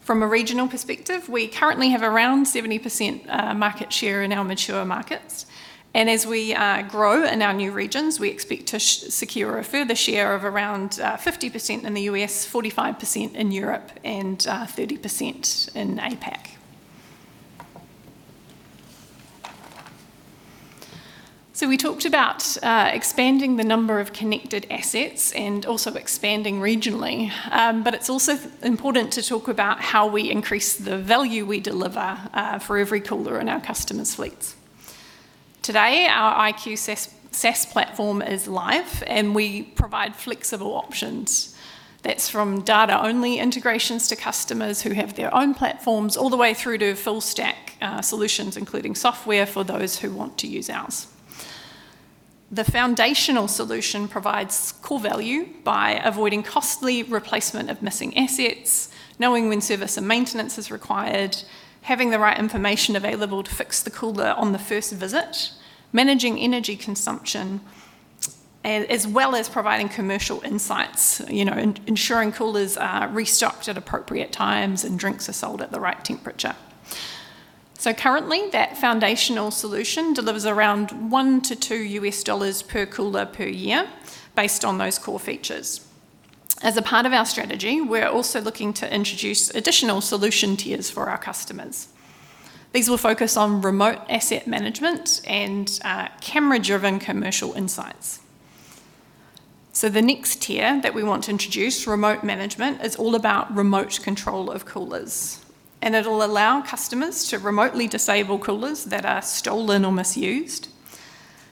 From a regional perspective, we currently have around 70% market share in our mature markets. And as we grow in our new regions, we expect to secure a further share of around 50% in the U.S., 45% in Europe, and 30% in APAC. So we talked about expanding the number of connected assets and also expanding regionally, but it's also important to talk about how we increase the value we deliver for every cooler in our customers' fleets. Today, our iQ SaaS platform is live, and we provide flexible options. That's from data-only integrations to customers who have their own platforms all the way through to full-stack solutions, including software for those who want to use ours. The foundational solution provides core value by avoiding costly replacement of missing assets, knowing when service and maintenance is required, having the right information available to fix the cooler on the first visit, managing energy consumption, as well as providing commercial insights, ensuring coolers are restocked at appropriate times and drinks are sold at the right temperature. So currently, that foundational solution delivers around NZD 1-NZD 2 per cooler per year based on those core features. As a part of our strategy, we're also looking to introduce additional solution tiers for our customers. These will focus on remote asset management and camera-driven commercial insights. So the next tier that we want to introduce, remote management, is all about remote control of coolers. And it'll allow customers to remotely disable coolers that are stolen or misused,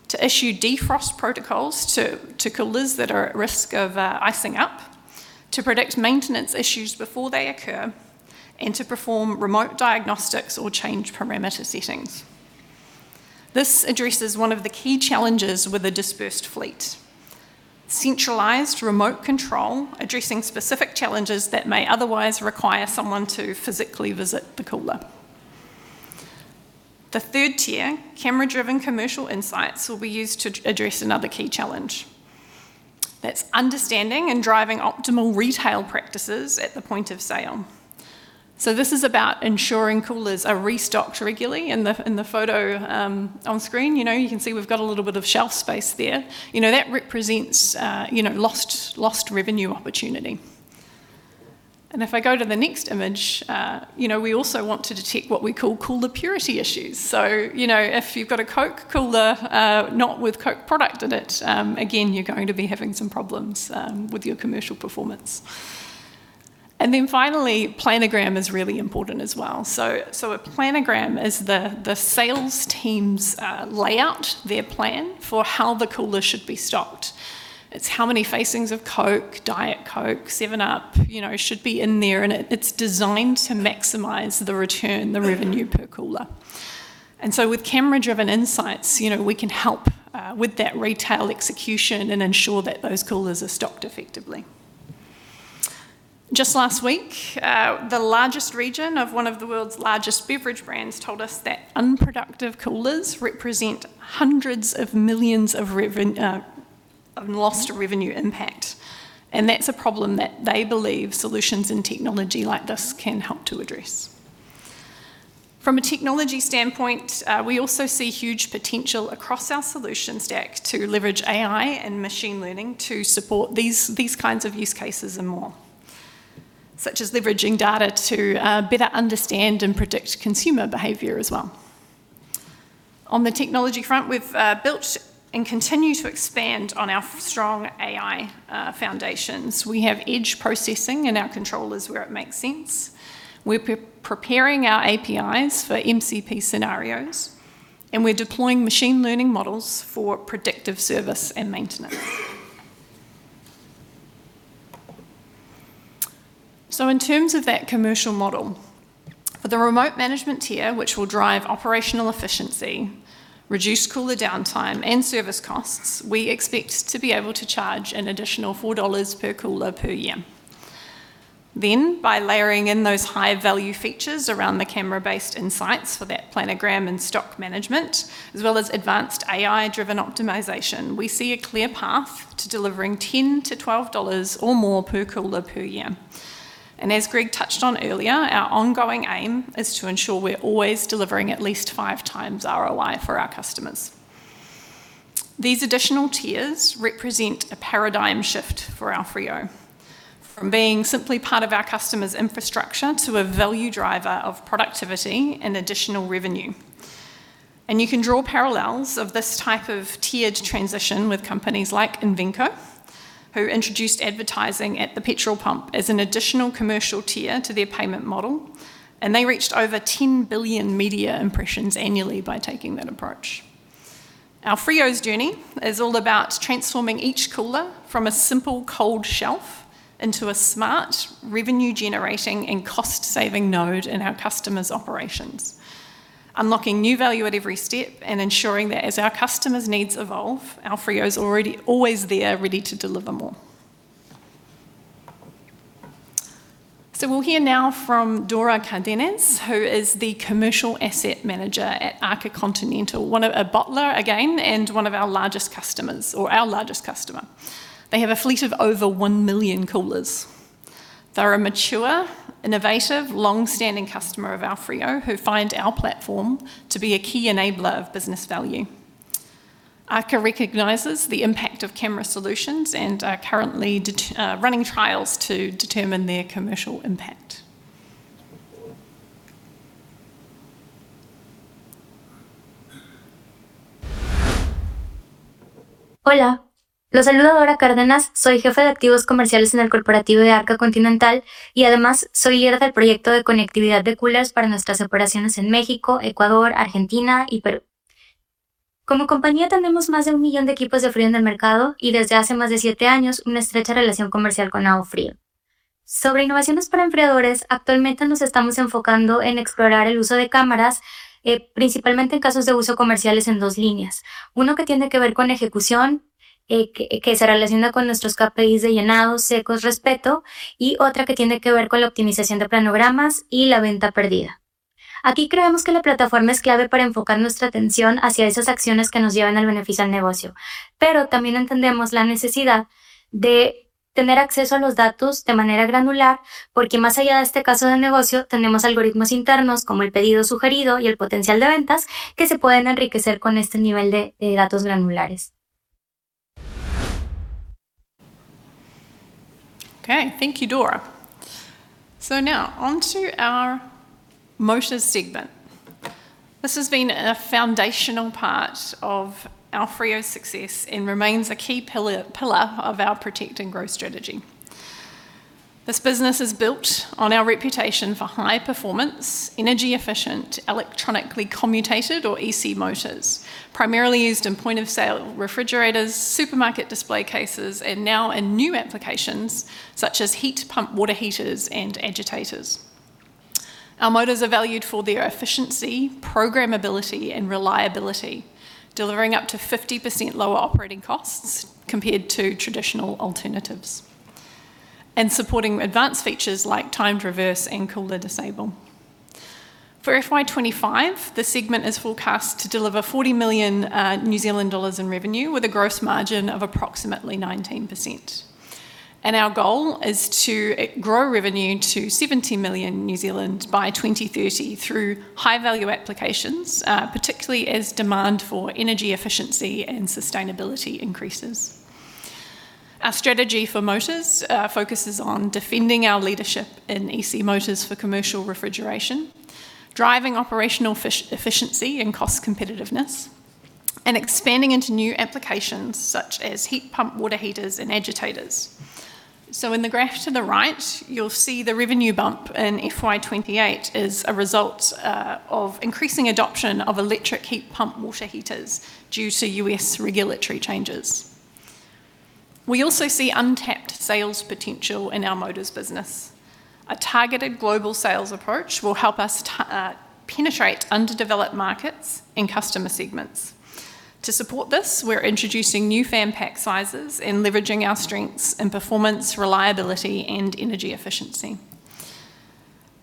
to issue defrost protocols to coolers that are at risk of icing up, to predict maintenance issues before they occur, and to perform remote diagnostics or change parameter settings. This addresses one of the key challenges with a dispersed fleet: centralized remote control addressing specific challenges that may otherwise require someone to physically visit the cooler. The third tier, camera-driven commercial insights, will be used to address another key challenge. That's understanding and driving optimal retail practices at the point of sale. So this is about ensuring coolers are restocked regularly. In the photo on screen, you can see we've got a little bit of shelf space there. That represents lost revenue opportunity. And if I go to the next image, we also want to detect what we call cooler purity issues. So if you've got a Coke cooler not with Coke product in it, again, you're going to be having some problems with your commercial performance. And then finally, planogram is really important as well. So a planogram is the sales team's layout, their plan for how the cooler should be stocked. It's how many facings of Coke, Diet Coke, 7Up should be in there, and it's designed to maximize the return, the revenue per cooler. And so with camera-driven insights, we can help with that retail execution and ensure that those coolers are stocked effectively. Just last week, the largest region of one of the world's largest beverage brands told us that unproductive coolers represent hundreds of millions of lost revenue impact. And that's a problem that they believe solutions and technology like this can help to address. From a technology standpoint, we also see huge potential across our solutions deck to leverage AI and machine learning to support these kinds of use cases and more, such as leveraging data to better understand and predict consumer behavior as well. On the technology front, we've built and continue to expand on our strong AI foundations. We have edge processing in our controllers where it makes sense. We're preparing our APIs for M2M scenarios, and we're deploying machine learning models for predictive service and maintenance. So in terms of that commercial model, for the remote management tier, which will drive operational efficiency, reduce cooler downtime, and service costs, we expect to be able to charge an additional 4 dollars per cooler per year. By layering in those high-value features around the camera-based insights for that planogram and stock management, as well as advanced AI-driven optimization, we see a clear path to delivering 10-12 dollars or more per cooler per year. As Greg touched on earlier, our ongoing aim is to ensure we're always delivering at least 5x ROI for our customers. These additional tiers represent a paradigm shift for AoFrio, from being simply part of our customer's infrastructure to a value driver of productivity and additional revenue. You can draw parallels of this type of tiered transition with companies like Invenco, who introduced advertising at the petrol pump as an additional commercial tier to their payment model, and they reached over 10 billion media impressions annually by taking that approach. AoFrio's journey is all about transforming each cooler from a simple cold shelf into a smart, revenue-generating, and cost-saving node in our customers' operations, unlocking new value at every step and ensuring that as our customers' needs evolve, AoFrio's already always there ready to deliver more. We'll hear no from Dora Cárdenas, who is the commercial asset manager at Arca Continental, a bottler again and one of our largest customers, or our largest customer. They have a fleet of over one million coolers. They're a mature, innovative, long-standing customer of AoFrio who find our platform to be a key enabler of business value. Arca recognizes the impact of camera solutions and are currently running trials to determine their commercial impact. Hola, los saluda Dora Cárdenas. Soy jefe de activos comerciales en el corporativo de Arca Continental y además soy líder del proyecto de conectividad de coolers para nuestras operaciones en México, Ecuador, Argentina y Perú. Como compañía, tenemos más de 1 millón de equipos de frío en el mercado y desde hace más de 7 años una estrecha relación comercial con AoFrio. Sobre innovaciones para enfriadores, actualmente nos estamos enfocando en explorar el uso de cámaras, principalmente en casos de uso comerciales en dos líneas: uno que tiene que ver con ejecución, que se relaciona con nuestros KPIs de llenados, secos, respeto, y otra que tiene que ver con la optimización de planogramas y la venta perdida. Aquí creemos que la plataforma es clave para enfocar nuestra atención hacia esas acciones que nos lleven al beneficio al negocio, pero también entendemos la necesidad de tener acceso a los datos de manera granular, porque más allá de este caso de negocio, tenemos algoritmos internos como el pedido sugerido y el potencial de ventas que se pueden enriquecer con este nivel de datos granulares. Okay, thank you, Dora. So now on to our motor segment. This has been a foundational part of AoFrio's success and remains a key pillar of our protect and growth strategy. This business is built on our reputation for high-performance, energy-efficient, electronically commutated, or EC motors, primarily used in point-of-sale refrigerators, supermarket display cases, and now in new applications such as heat pump water heaters and agitators. Our motors are valued for their efficiency, programmability, and reliability, delivering up to 50% lower operating costs compared to traditional alternatives and supporting advanced features like timed reverse and cooler disable. For FY 2025, the segment is forecast to deliver 40 million New Zealand dollars in revenue with a gross margin of approximately 19%. Our goal is to grow revenue to 70 million by 2030 through high-value applications, particularly as demand for energy efficiency and sustainability increases. Our strategy for motors focuses on defending our leadership in EC motors for commercial refrigeration, driving operational efficiency and cost competitiveness, and expanding into new applications such as heat pump water heaters and agitators. In the graph to the right, you'll see the revenue bump in FY 2028 is a result of increasing adoption of electric heat pump water heaters due to US regulatory changes. We also see untapped sales potential in our motors business. A targeted global sales approach will help us penetrate underdeveloped markets and customer segments. To support this, we're introducing new fan pack sizes and leveraging our strengths in performance, reliability, and energy efficiency.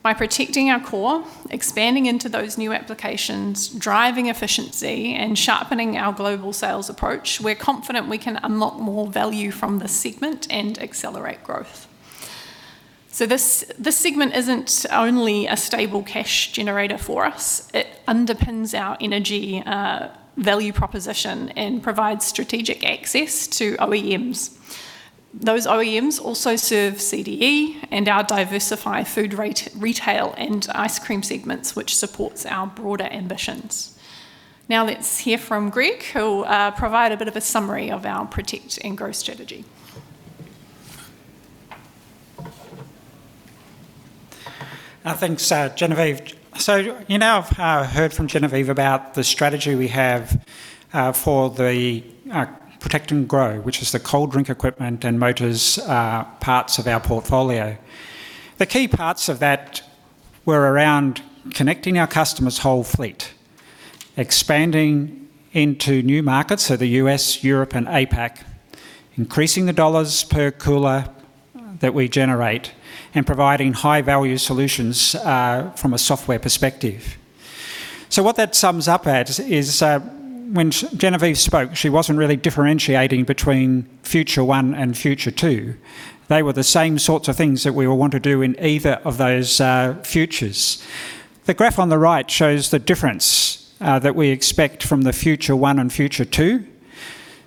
By protecting our core, expanding into those new applications, driving efficiency, and sharpening our global sales approach, we're confident we can unlock more value from this segment and accelerate growth. So this segment isn't only a stable cash generator for us. It underpins our energy value proposition and provides strategic access to OEMs. Those OEMs also serve CDE and our diversified food retail and ice cream segments, which supports our broader ambitions. Now let's hear from Greg, who will provide a bit of a summary of our protect and growth strategy. Thanks, Genevieve. So you now have heard from Genevieve about the strategy we have for the protect and grow, which is the cold drink equipment and motors parts of our portfolio. The key parts of that were around connecting our customer's whole fleet, expanding into new markets, so the U.S., Europe, and APAC, increasing the dollars per cooler that we generate, and providing high-value solutions from a software perspective. So what that sums up at is when Genevieve spoke, she wasn't really differentiating between future one and future two. They were the same sorts of things that we will want to do in either of those futures. The graph on the right shows the difference that we expect from the future one and future two.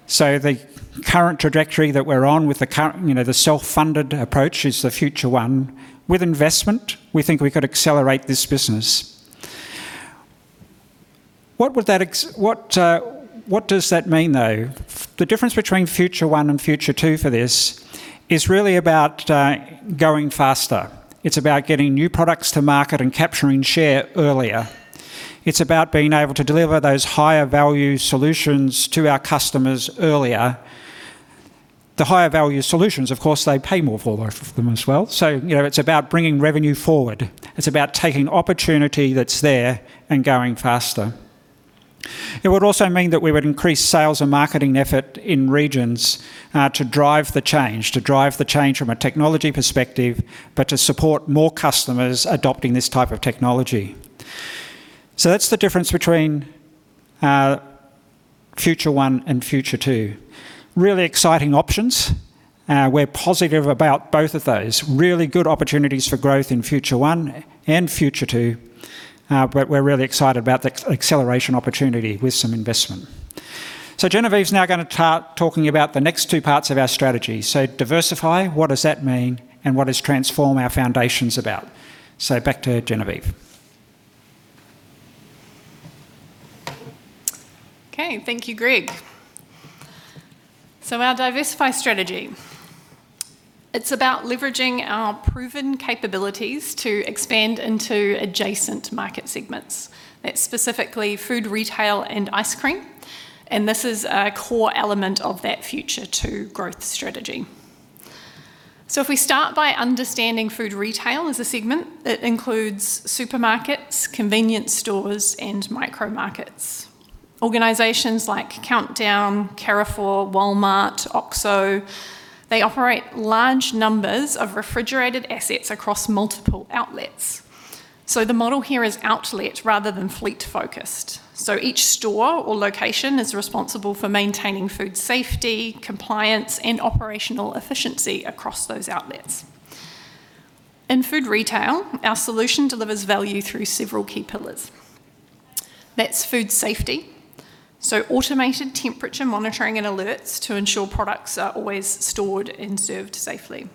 So the current trajectory that we're on with the self-funded approach is the future one. With investment, we think we could accelerate this business. What does that mean, though? The difference between future one and future two for this is really about going faster. It's about getting new products to market and capturing share earlier. It's about being able to deliver those higher-value solutions to our customers earlier. The higher-value solutions, of course, they pay more for them as well. So it's about bringing revenue forward. It's about taking opportunity that's there and going faster. It would also mean that we would increase sales and marketing effort in regions to drive the change from a technology perspective, but to support more customers adopting this type of technology. So that's the difference between future one and future two. Really exciting options. We're positive about both of those. Really good opportunities for growth in future one and future two. But we're really excited about the acceleration opportunity with some investment. Genevieve's now going to start talking about the next two parts of our strategy. Diversify—what does that mean, and what does transform our foundations about? Back to Genevieve. Okay, thank you, Greg. Our diversified strategy—it's about leveraging our proven capabilities to expand into adjacent market segments. That's specifically food retail and ice cream. This is a core element of that future two growth strategy. If we start by understanding food retail as a segment, it includes supermarkets, convenience stores, and micro markets. Organizations like Countdown, Carrefour, Walmart, OXXO—they operate large numbers of refrigerated assets across multiple outlets. The model here is outlet rather than fleet-focused. Each store or location is responsible for maintaining food safety, compliance, and operational efficiency across those outlets. In food retail, our solution delivers value through several key pillars. That's food safety. Automated temperature monitoring and alerts to ensure products are always stored and served safely.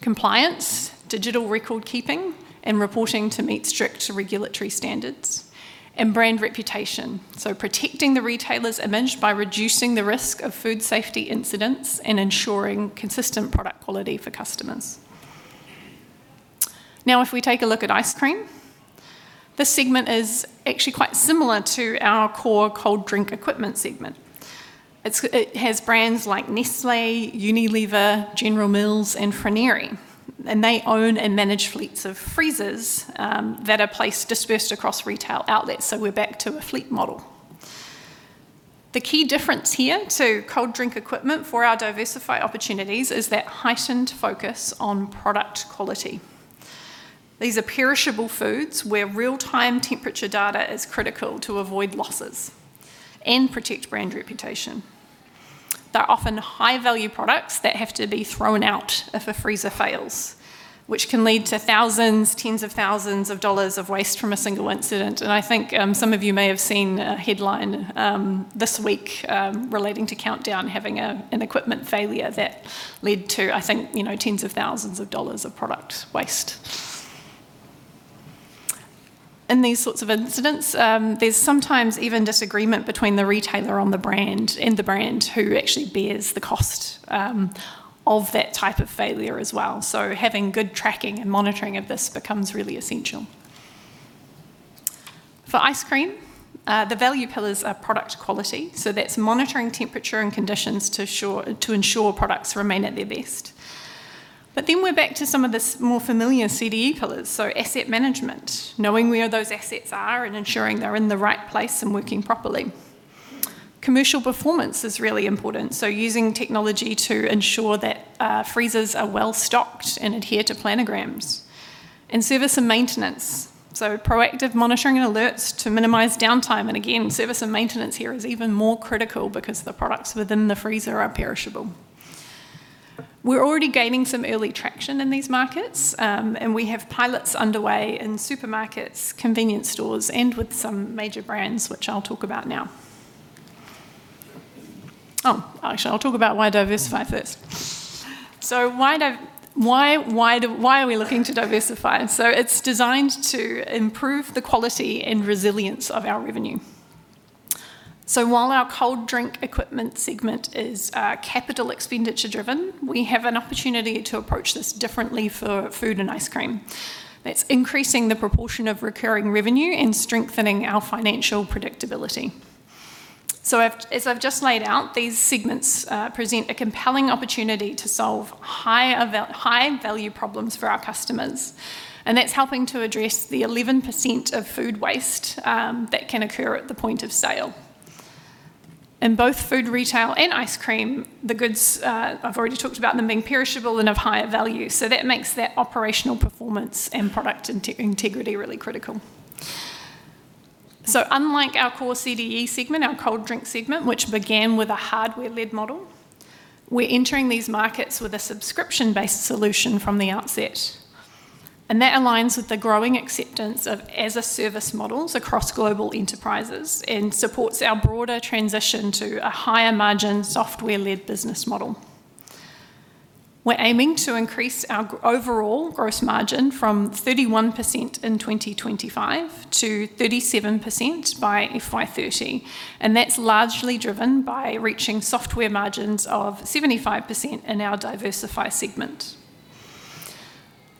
Compliance, digital record keeping, and reporting to meet strict regulatory standards, and brand reputation. Protecting the retailer's image by reducing the risk of food safety incidents and ensuring consistent product quality for customers. Now, if we take a look at ice cream, this segment is actually quite similar to our core cold drink equipment segment. It has brands like Nestlé, Unilever, General Mills, and Froneri. They own and manage fleets of freezers that are placed, dispersed across retail outlets. We're back to a fleet model. The key difference here to cold drink equipment for our diversified opportunities is that heightened focus on product quality. These are perishable foods where real-time temperature data is critical to avoid losses and protect brand reputation. They're often high-value products that have to be thrown out if a freezer fails, which can lead to thousands, tens of thousands of dollars of waste from a single incident, and I think some of you may have seen a headline this week relating to Countdown having an equipment failure that led to, I think, tens of thousands of dollars of product waste. In these sorts of incidents, there's sometimes even disagreement between the retailer and the brand who actually bears the cost of that type of failure as well, so having good tracking and monitoring of this becomes really essential. For ice cream, the value pillars are product quality, so that's monitoring temperature and conditions to ensure products remain at their best, but then we're back to some of the more familiar CDE pillars. So asset management, knowing where those assets are and ensuring they're in the right place and working properly. Commercial performance is really important. So using technology to ensure that freezers are well stocked and adhere to planograms. And service and maintenance. So proactive monitoring and alerts to minimize downtime. And again, service and maintenance here is even more critical because the products within the freezer are perishable. We're already gaining some early traction in these markets, and we have pilots underway in supermarkets, convenience stores, and with some major brands, which I'll talk about now. Oh, actually, I'll talk about why diversify first. So why are we looking to diversify? So it's designed to improve the quality and resilience of our revenue. So while our cold drink equipment segment is capital expenditure-driven, we have an opportunity to approach this differently for food and ice cream. That's increasing the proportion of recurring revenue and strengthening our financial predictability. So as I've just laid out, these segments present a compelling opportunity to solve high-value problems for our customers. And that's helping to address the 11% of food waste that can occur at the point of sale. In both food retail and ice cream, the goods I've already talked about them being perishable and of higher value. So that makes that operational performance and product integrity really critical. So unlike our core CDE segment, our cold drink segment, which began with a hardware-led model, we're entering these markets with a subscription-based solution from the outset. And that aligns with the growing acceptance of as-a-service models across global enterprises and supports our broader transition to a higher-margin software-led business model. We're aiming to increase our overall gross margin from 31% in 2025 to 37% by FY 2030. That's largely driven by reaching software margins of 75% in our diversified segment.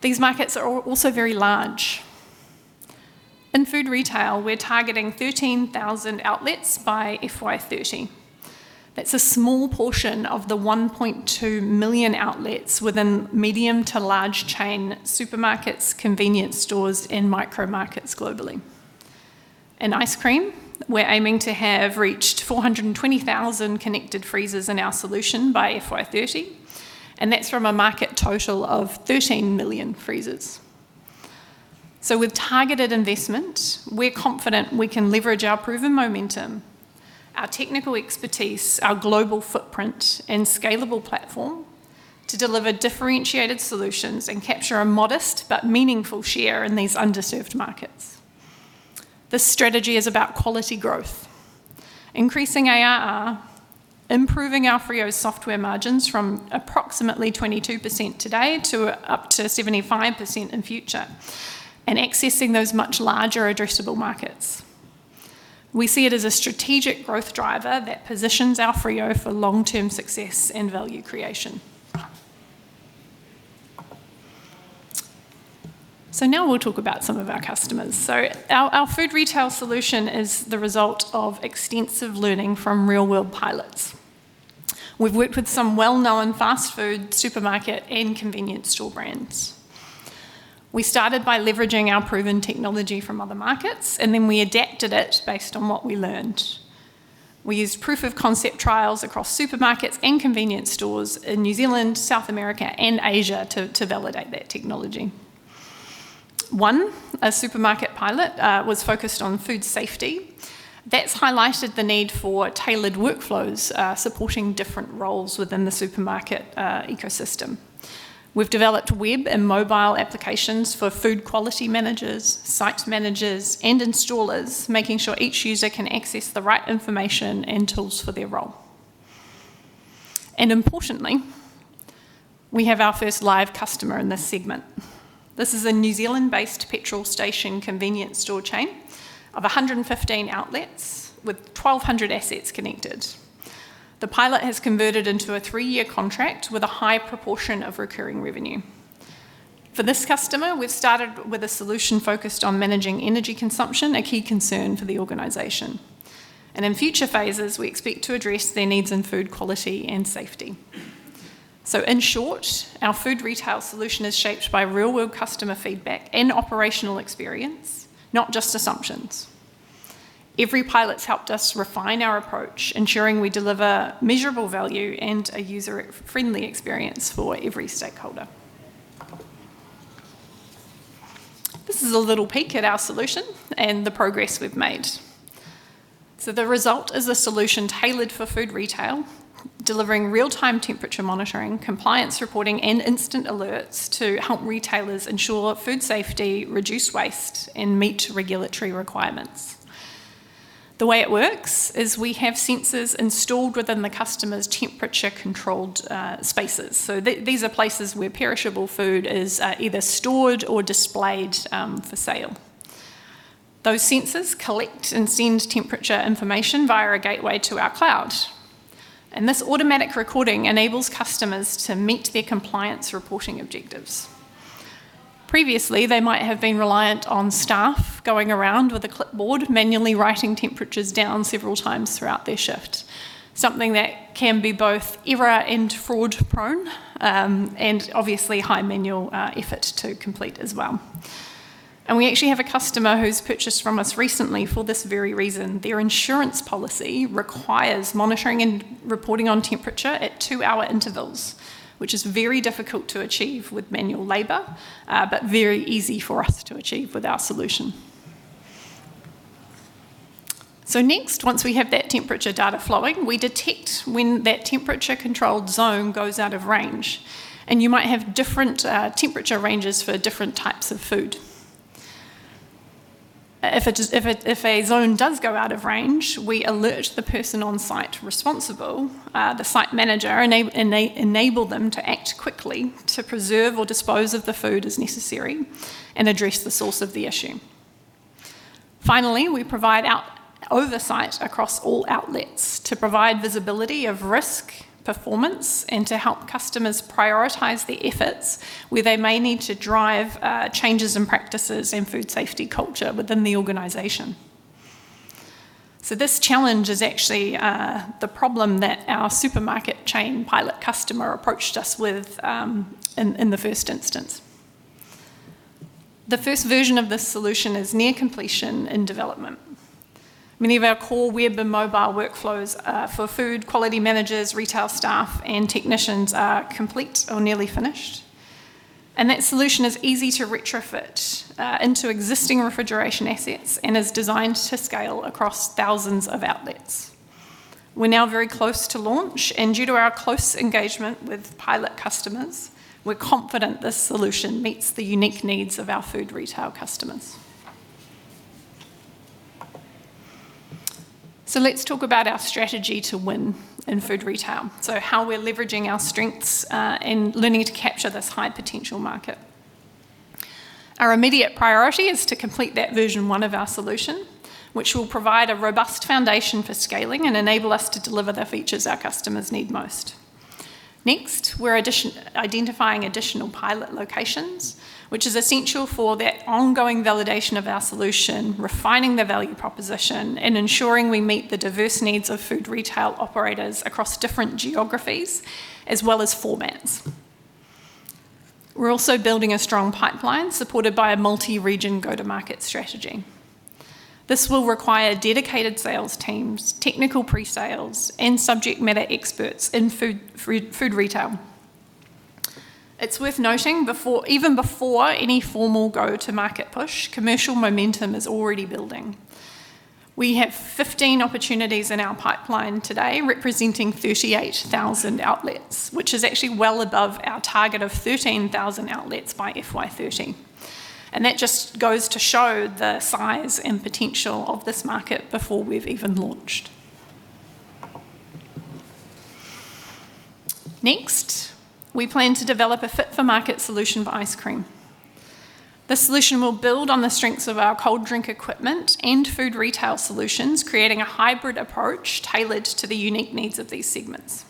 These markets are also very large. In food retail, we're targeting 13,000 outlets by FY 2030. That's a small portion of the 1.2 million outlets within medium to large chain supermarkets, convenience stores, and micro markets globally. In ice cream, we're aiming to have reached 420,000 connected freezers in our solution by FY 2030. And that's from a market total of 13 million freezers. So with targeted investment, we're confident we can leverage our proven momentum, our technical expertise, our global footprint, and scalable platform to deliver differentiated solutions and capture a modest but meaningful share in these underserved markets. This strategy is about quality growth, increasing ARR, improving our AoFrio software margins from approximately 22% today to up to 75% in future, and accessing those much larger addressable markets. We see it as a strategic growth driver that positions our AoFrio for long-term success and value creation. So now we'll talk about some of our customers. So our food retail solution is the result of extensive learning from real-world pilots. We've worked with some well-known fast food, supermarket, and convenience store brands. We started by leveraging our proven technology from other markets, and then we adapted it based on what we learned. We used proof-of-concept trials across supermarkets and convenience stores in New Zealand, South America, and Asia to validate that technology. One, a supermarket pilot was focused on food safety. That's highlighted the need for tailored workflows supporting different roles within the supermarket ecosystem. We've developed web and mobile applications for food quality managers, site managers, and installers, making sure each user can access the right information and tools for their role. Importantly, we have our first live customer in this segment. This is a New Zealand-based petrol station convenience store chain of 115 outlets with 1,200 assets connected. The pilot has converted into a three-year contract with a high proportion of recurring revenue. For this customer, we've started with a solution focused on managing energy consumption, a key concern for the organization. In future phases, we expect to address their needs in food quality and safety. In short, our food retail solution is shaped by real-world customer feedback and operational experience, not just assumptions. Every pilot's helped us refine our approach, ensuring we deliver measurable value and a user-friendly experience for every stakeholder. This is a little peek at our solution and the progress we've made. The result is a solution tailored for food retail, delivering real-time temperature monitoring, compliance reporting, and instant alerts to help retailers ensure food safety, reduce waste, and meet regulatory requirements. The way it works is we have sensors installed within the customer's temperature-controlled spaces. These are places where perishable food is either stored or displayed for sale. Those sensors collect and send temperature information via a gateway to our cloud. This automatic recording enables customers to meet their compliance reporting objectives. Previously, they might have been reliant on staff going around with a clipboard, manually writing temperatures down several times throughout their shift, something that can be both error and fraud-prone and obviously high manual effort to complete as well. We actually have a customer who's purchased from us recently for this very reason. Their insurance policy requires monitoring and reporting on temperature at two-hour intervals, which is very difficult to achieve with manual labor, but very easy for us to achieve with our solution, so next, once we have that temperature data flowing, we detect when that temperature-controlled zone goes out of range, and you might have different temperature ranges for different types of food. If a zone does go out of range, we alert the person on-site responsible, the site manager, and enable them to act quickly to preserve or dispose of the food as necessary and address the source of the issue. Finally, we provide oversight across all outlets to provide visibility of risk, performance, and to help customers prioritize the efforts where they may need to drive changes in practices and food safety culture within the organization. This challenge is actually the problem that our supermarket chain pilot customer approached us with in the first instance. The first version of this solution is near completion and development. Many of our core web and mobile workflows for food quality managers, retail staff, and technicians are complete or nearly finished. That solution is easy to retrofit into existing refrigeration assets and is designed to scale across thousands of outlets. We're now very close to launch. Due to our close engagement with pilot customers, we're confident this solution meets the unique needs of our food retail customers. Let's talk about our strategy to win in food retail, so how we're leveraging our strengths and learnings to capture this high-potential market. Our immediate priority is to complete that version one of our solution, which will provide a robust foundation for scaling and enable us to deliver the features our customers need most. Next, we're identifying additional pilot locations, which is essential for that ongoing validation of our solution, refining the value proposition, and ensuring we meet the diverse needs of food retail operators across different geographies as well as formats. We're also building a strong pipeline supported by a multi-region go-to-market strategy. This will require dedicated sales teams, technical presales, and subject matter experts in food retail. It's worth noting even before any formal go-to-market push, commercial momentum is already building. We have 15 opportunities in our pipeline today representing 38,000 outlets, which is actually well above our target of 13,000 outlets by FY 2030, and that just goes to show the size and potential of this market before we've even launched. Next, we plan to develop a fit-for-market solution for ice cream. The solution will build on the strengths of our cold drink equipment and food retail solutions, creating a hybrid approach tailored to the unique needs of these segments.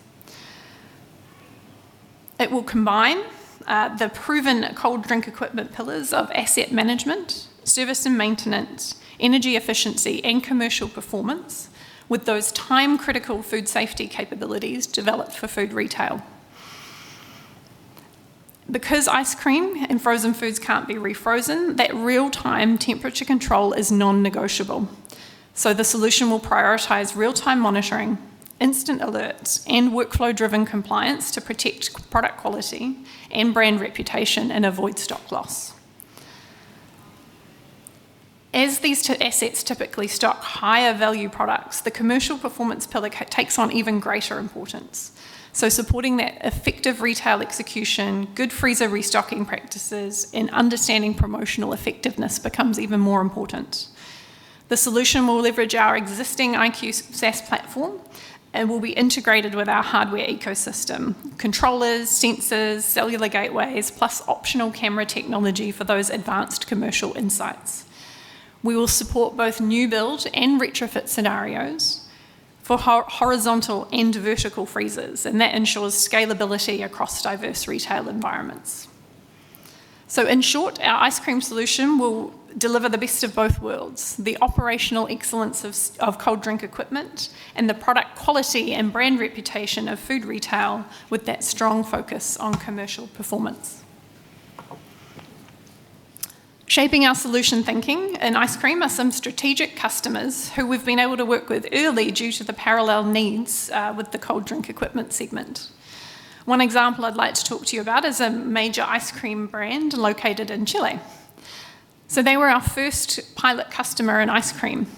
It will combine the proven cold drink equipment pillars of asset management, service and maintenance, energy efficiency, and commercial performance with those time-critical food safety capabilities developed for food retail. Because ice cream and frozen foods can't be refrozen, that real-time temperature control is non-negotiable, so the solution will prioritize real-time monitoring, instant alerts, and workflow-driven compliance to protect product quality and brand reputation and avoid stock loss. As these assets typically stock higher-value products, the commercial performance pillar takes on even greater importance, so supporting that effective retail execution, good freezer restocking practices, and understanding promotional effectiveness becomes even more important. The solution will leverage our existing iQ SaaS platform and will be integrated with our hardware ecosystem: controllers, sensors, cellular gateways, plus optional camera technology for those advanced commercial insights. We will support both new build and retrofit scenarios for horizontal and vertical freezers, and that ensures scalability across diverse retail environments, so in short, our ice cream solution will deliver the best of both worlds: the operational excellence of cold drink equipment and the product quality and brand reputation of food retail with that strong focus on commercial performance. Shaping our solution thinking in ice cream are some strategic customers who we've been able to work with early due to the parallel needs with the cold drink equipment segment. One example I'd like to talk to you about is a major ice cream brand located in Chile, so they were our first pilot customer in ice cream.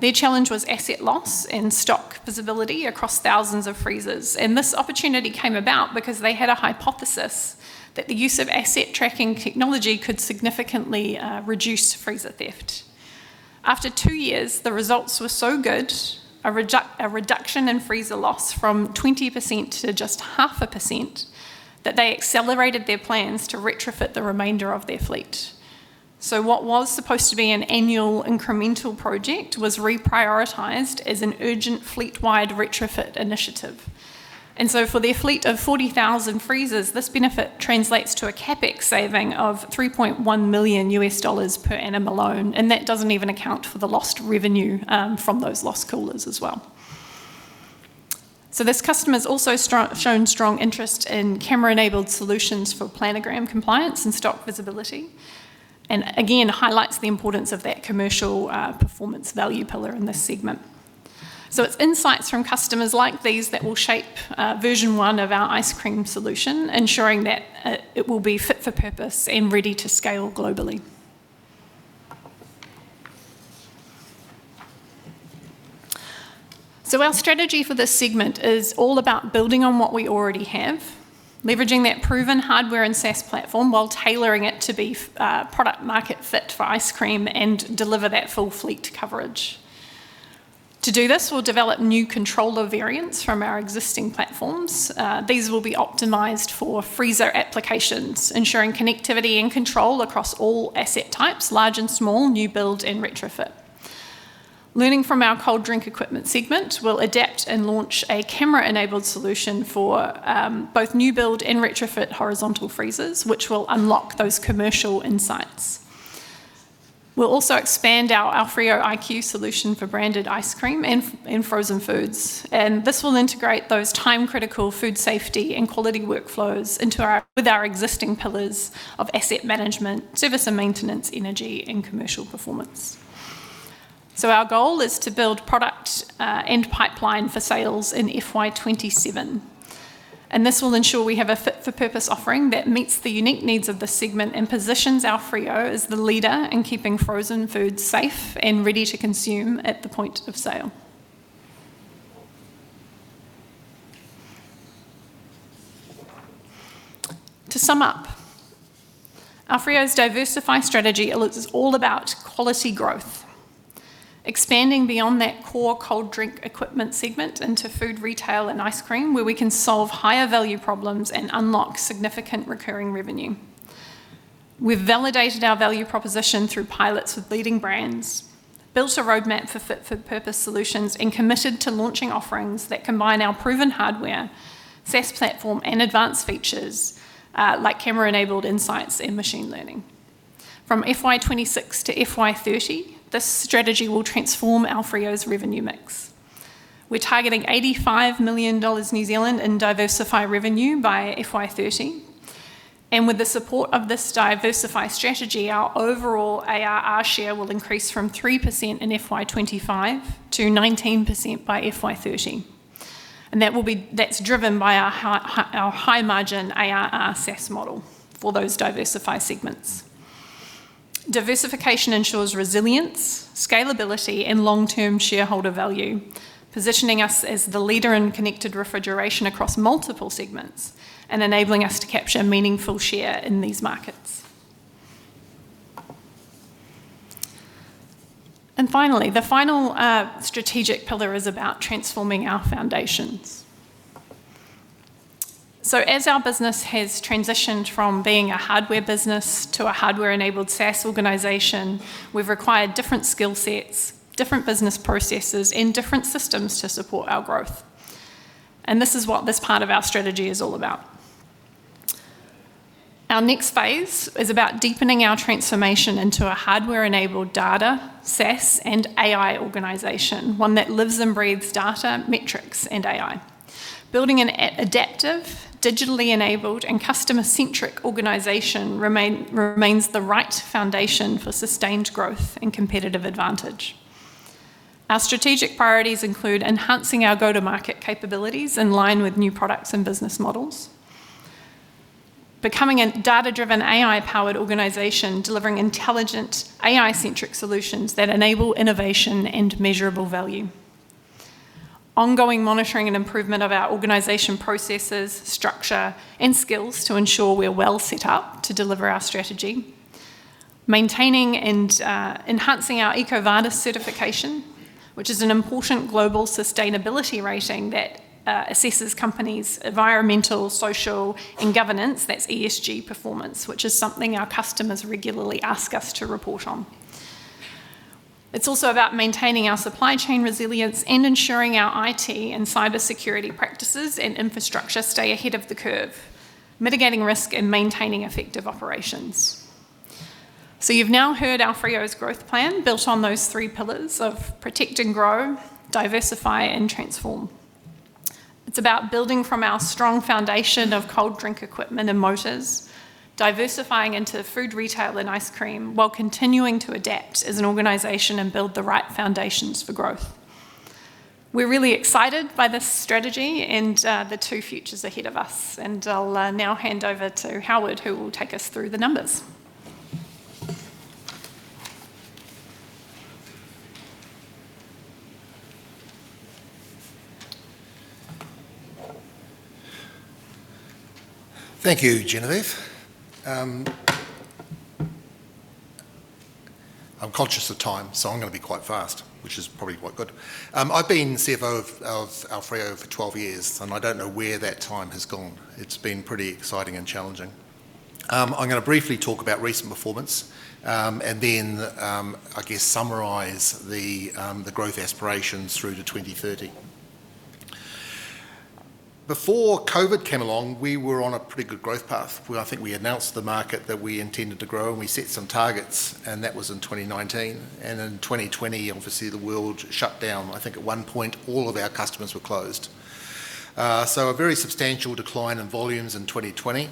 Their challenge was asset loss and stock visibility across thousands of freezers. This opportunity came about because they had a hypothesis that the use of asset tracking technology could significantly reduce freezer theft. After two years, the results were so good, a reduction in freezer loss from 20% to just 0.5%, that they accelerated their plans to retrofit the remainder of their fleet. What was supposed to be an annual incremental project was reprioritized as an urgent fleet-wide retrofit initiative. For their fleet of 40,000 freezers, this benefit translates to a CapEx saving of $3.1 million per annum alone. That doesn't even account for the lost revenue from those lost coolers as well. This customer has also shown strong interest in camera-enabled solutions for planogram compliance and stock visibility and again highlights the importance of that commercial performance value pillar in this segment. Insights from customers like these will shape version one of our ice cream solution, ensuring that it will be fit for purpose and ready to scale globally. Our strategy for this segment is all about building on what we already have, leveraging that proven hardware and SaaS platform while tailoring it to be product-market fit for ice cream and deliver that full fleet coverage. To do this, we'll develop new controller variants from our existing platforms. These will be optimized for freezer applications, ensuring connectivity and control across all asset types, large and small, new build and retrofit. Learning from our cold drink equipment segment, we'll adapt and launch a camera-enabled solution for both new build and retrofit horizontal freezers, which will unlock those commercial insights. We'll AoFrio iQ solution for branded ice cream and frozen foods, and this will integrate those time-critical food safety and quality workflows with our existing pillars of asset management, service and maintenance, energy, and commercial performance, so our goal is to build product and pipeline for sales in FY 2027, and this will ensure we have a fit-for-purpose offering that meets the unique needs of the segment and positions our AoFrio as the leader in keeping frozen foods safe and ready to consume at the point of sale. To sum up, our AoFrio's diversified strategy is all about quality growth, expanding beyond that core cold drink equipment segment into food retail and ice cream, where we can solve higher-value problems and unlock significant recurring revenue. We've validated our value proposition through pilots with leading brands, built a roadmap for fit-for-purpose solutions, and committed to launching offerings that combine our proven hardware, SaaS platform, and advanced features like camera-enabled insights and machine learning. From FY 2026 to FY 2030, this strategy will transform our AoFrio's revenue mix. We're targeting 85 million New Zealand dollars in diversified revenue by FY 2030. And with the support of this diversified strategy, our overall ARR share will increase from 3% in FY 2025 to 19% by FY 2030. And that's driven by our high-margin ARR SaaS model for those diversified segments. Diversification ensures resilience, scalability, and long-term shareholder value, positioning us as the leader in connected refrigeration across multiple segments and enabling us to capture meaningful share in these markets. And finally, the final strategic pillar is about transforming our foundations. So as our business has transitioned from being a hardware business to a hardware-enabled SaaS organization, we've required different skill sets, different business processes, and different systems to support our growth. And this is what this part of our strategy is all about. Our next phase is about deepening our transformation into a hardware-enabled data, SaaS, and AI organization, one that lives and breathes data, metrics, and AI. Building an adaptive, digitally enabled, and customer-centric organization remains the right foundation for sustained growth and competitive advantage. Our strategic priorities include enhancing our go-to-market capabilities in line with new products and business models, becoming a data-driven, AI-powered organization delivering intelligent AI-centric solutions that enable innovation and measurable value, ongoing monitoring and improvement of our organization processes, structure, and skills to ensure we're well set up to deliver our strategy, maintaining and enhancing our EcoVadis certification, which is an important global sustainability rating that assesses companies' environmental, social, and governance. That's ESG performance, which is something our customers regularly ask us to report on. It's also about maintaining our supply chain resilience and ensuring our IT and cybersecurity practices and infrastructure stay ahead of the curve, mitigating risk and maintaining effective operations, so you've now heard AoFrio's growth plan built on those three pillars of protect and grow, diversify, and transform. It's about building from our strong foundation of cold drink equipment and motors, diversifying into food retail and ice cream while continuing to adapt as an organization and build the right foundations for growth. We're really excited by this strategy and the two futures ahead of us, and I'll now hand over to Howard, who will take us through the numbers. Thank you, Genevieve. I'm conscious of time, so I'm going to be quite fast, which is probably quite good. I've been CFO of AoFrio for 12 years, and I don't know where that time has gone. It's been pretty exciting and challenging. I'm going to briefly talk about recent performance and then, I guess, summarize the growth aspirations through to 2030. Before COVID came along, we were on a pretty good growth path. I think we announced to the market that we intended to grow, and we set some targets, and that was in 2019. And in 2020, obviously, the world shut down. I think at one point, all of our customers were closed. So a very substantial decline in volumes in 2020,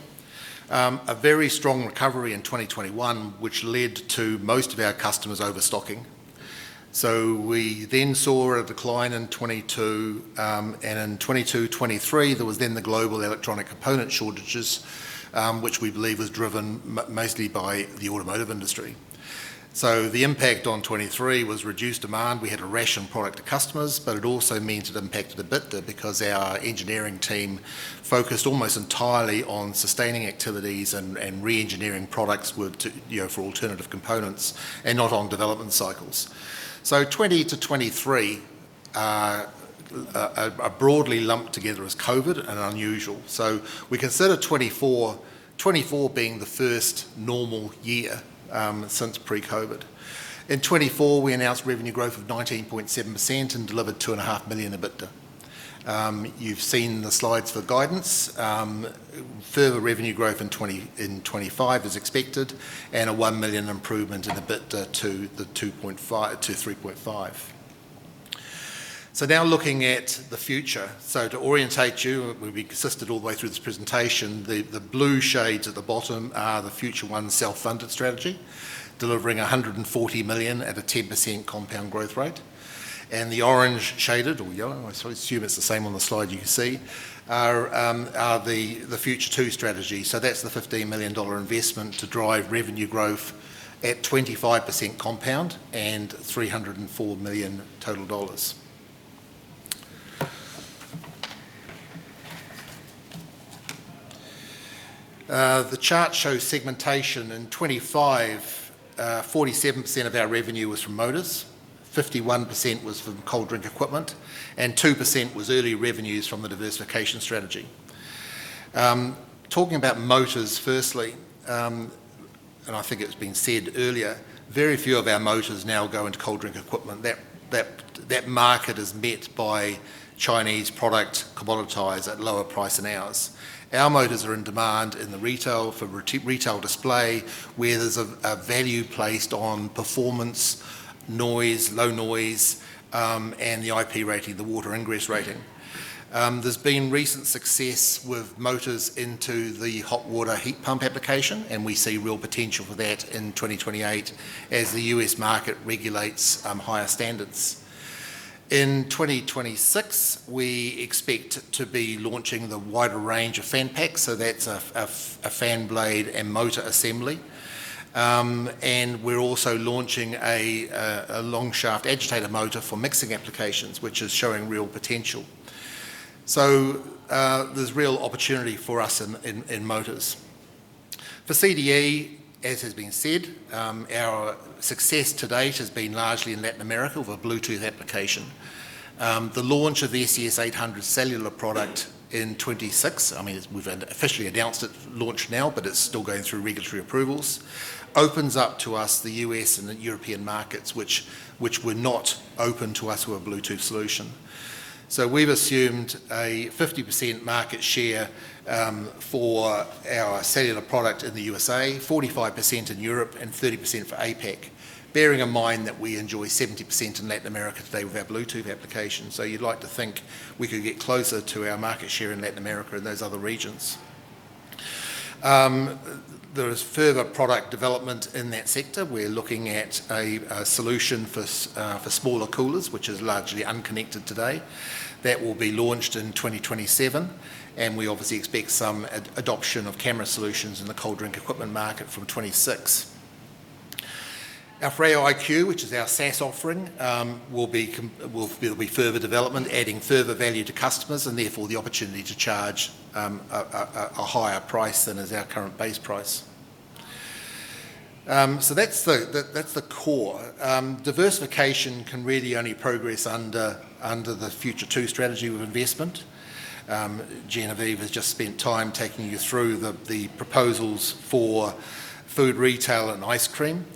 a very strong recovery in 2021, which led to most of our customers overstocking. So we then saw a decline in 2022. And in 2022, 2023, there was then the global electronic component shortages, which we believe was driven mostly by the automotive industry. So the impact on 2023 was reduced demand. We had to ration product to customers, but it also means it impacted a bit because our engineering team focused almost entirely on sustaining activities and re-engineering products for alternative components and not on development cycles. So 2020 to 2023 are broadly lumped together as COVID and unusual. So we consider 2024 being the first normal year since pre-COVID. In 2024, we announced revenue growth of 19.7% and delivered 2.5 million EBITDA. You've seen the slides for guidance. Further revenue growth in 2025 is expected and a 1 million improvement in EBITDA to 3.5. So now looking at the future, so to orientate you, we've assisted all the way through this presentation. The blue shades at the bottom are the Future One self-funded strategy, delivering 140 million at a 10% compound growth rate. And the orange shaded or yellow, I assume it's the same on the slide you can see, are the Future Two strategy. So that's the 15 million dollar investment to drive revenue growth at 25% compound and 304 million total dollars. The chart shows segmentation. In 2025, 47% of our revenue was from motors, 51% was from cold drink equipment, and 2% was early revenues from the diversification strategy. Talking about motors firstly, and I think it's been said earlier, very few of our motors now go into cold drink equipment. That market is met by Chinese product commoditized at lower price than ours. Our motors are in demand in the retail for retail display, where there's a value placed on performance, noise, low noise, and the IP rating, the water ingress rating. There's been recent success with motors into the hot water heat pump application, and we see real potential for that in 2028 as the U.S. market regulates higher standards. In 2026, we expect to be launching the wider range of fan packs, so that's a fan blade and motor assembly. And we're also launching a long-shaft agitator motor for mixing applications, which is showing real potential. So there's real opportunity for us in motors. For CDE, as has been said, our success to date has been largely in Latin America with a Bluetooth application. The launch of the SCS 800 cellular product in 2026, I mean, we've officially announced it launched now, but it's still going through regulatory approvals, opens up to us, the U.S. and European markets, which were not open to us with a Bluetooth solution. So we've assumed a 50% market share for our cellular product in the USA, 45% in Europe, and 30% for APAC, bearing in mind that we enjoy 70% in Latin America today with our Bluetooth application. So you'd like to think we could get closer to our market share in Latin America and those other regions. There is further product development in that sector. We're looking at a solution for smaller coolers, which is largely unconnected today. That will be launched in 2027, and we obviously expect some adoption of camera solutions in the cold drink equipment market AoFrio iQ, which is our SaaS offering, will be further development, adding further value to customers and therefore the opportunity to charge a higher price than is our current base price, so that's the core. Diversification can really only progress under the Future Two strategy with investment. Genevieve has just spent time taking you through the proposals for food retail and ice cream.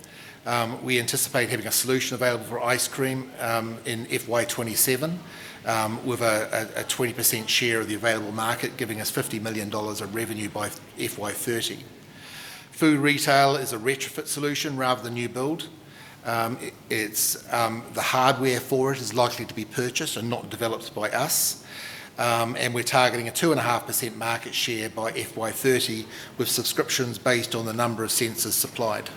We anticipate having a solution available for ice cream in FY 2027 with a 20% share of the available market, giv ing us 50 million dollars of revenue by FY 2030. Food retail is a retrofit solution rather than new build. The hardware for it is likely to be purchased and not developed by us. We're targeting a 2.5% market share by FY 2030 with subscriptions based on the number of sensors supplied.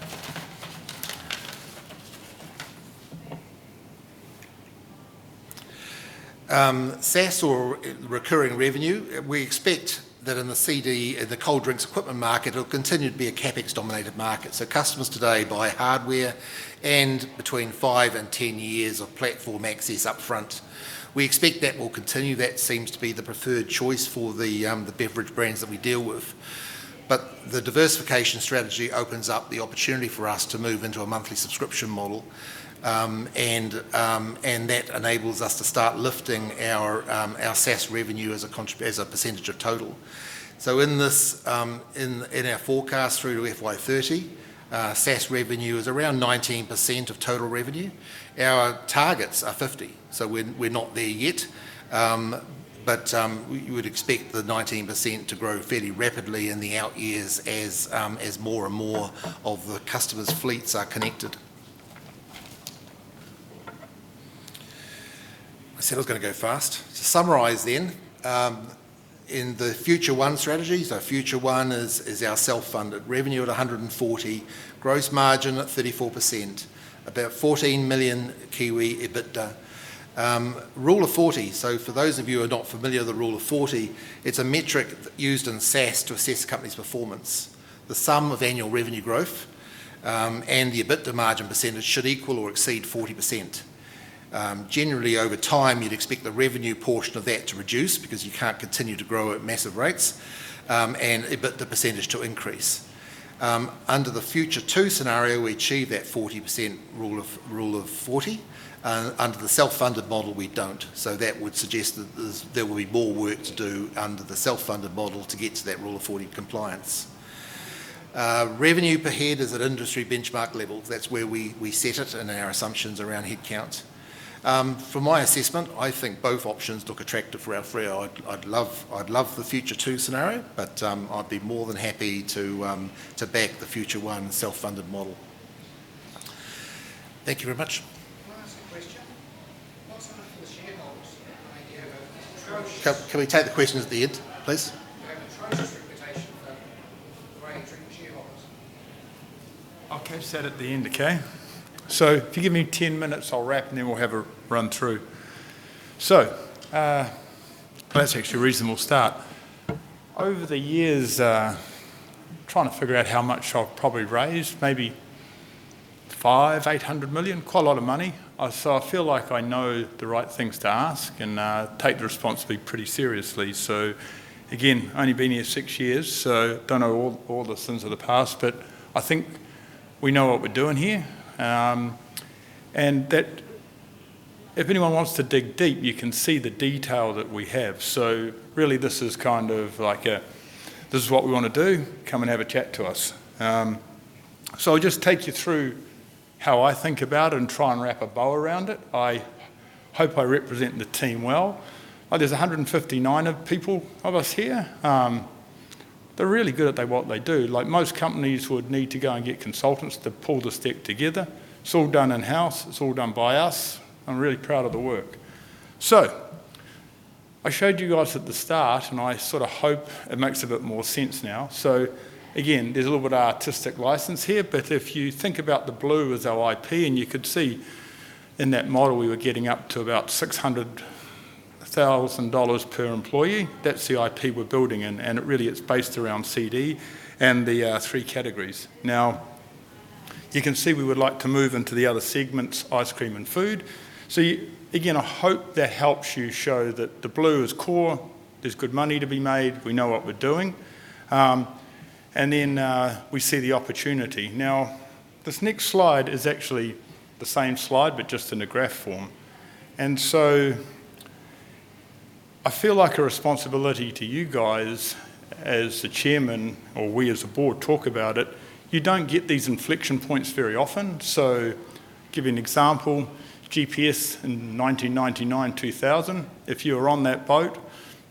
SaaS or recurring revenue, we expect that in the CDE, the cold drinks equipment market, it'll continue to be a CapEx dominated market. Customers today buy hardware and between five and 10 years of platform access upfront. We expect that will continue. That seems to be the preferred choice for the beverage brands that we deal with. The diversification strategy opens up the opportunity for us to move into a monthly subscription model. That enables us to start lifting our SaaS revenue as a percentage of total. In our forecast through to FY 2030, SaaS revenue is around 19% of total revenue. Our targets are 50%. We're not there yet. But you would expect the 19% to grow fairly rapidly in the out years as more and more of the customers' fleets are connected. I said I was going to go fast. To summarize then, in the Future One strategy, so Future One is our self-funded revenue at 140, gross margin at 34%, about 14 million Kiwi EBITDA. Rule of 40, so for those of you who are not familiar with the Rule of 40, it's a metric used in SaaS to assess companies' performance. The sum of annual revenue growth and the EBITDA margin percentage should equal or exceed 40%. Generally, over time, you'd expect the revenue portion of that to reduce because you can't continue to grow at massive rates and EBITDA percentage to increase. Under the Future Two scenario, we achieve that 40% Rule of 40. Under the self-funded model, we don't. So that would suggest that there will be more work to do under the self-funded model to get to that Rule of 40 compliance. Revenue per head is at industry benchmark levels. That's where we set it and our assumptions around headcount. From my assessment, I think both options look attractive for our AoFrio. I'd love the Future Two scenario, but I'd be more than happy to back the Future One self-funded model. Thank you very much. Can I ask a question? What's happened to the shareholders' idea of a strategist? Can we take the question at the end, please? They have a strongest reputation for creating shareholders. I'll keep said at the end, okay? So if you give me 10 minutes, I'll wrap, and then we'll have a run-through. So that's actually a reasonable start. Over the years, trying to figure out how much I've probably raised, maybe 5 million-800 million, quite a lot of money. So I feel like I know the right things to ask and take the responsibility pretty seriously. So again, only been here six years, so don't know all the things of the past, but I think we know what we're doing here. And if anyone wants to dig deep, you can see the detail that we have. So really, this is kind of like a, this is what we want to do, come and have a chat to us. So I'll just take you through how I think about it and try and wrap a bow around it. I hope I represent the team well. There's 159 people of us here. They're really good at what they do. Like most companies would need to go and get consultants to put the sticks together. It's all done in-house. It's all done by us. I'm really proud of the work. So I showed you guys at the start, and I sort of hope it makes a bit more sense now. So again, there's a little bit of artistic license here, but if you think about the blue as our IP, and you could see in that model we were getting up to about 600,000 dollars per employee, that's the IP we're building. And really, it's based around CD and the three categories. Now, you can see we would like to move into the other segments, ice cream and food. So again, I hope that helps you show that the blue is core, there's good money to be made, we know what we're doing. And then we see the opportunity. Now, this next slide is actually the same slide, but just in a graph form. And so I feel like a responsibility to you guys as the chairman or we as a board talk about it, you don't get these inflection points very often. So give you an example, GPS in 1999, 2000, if you were on that boat, it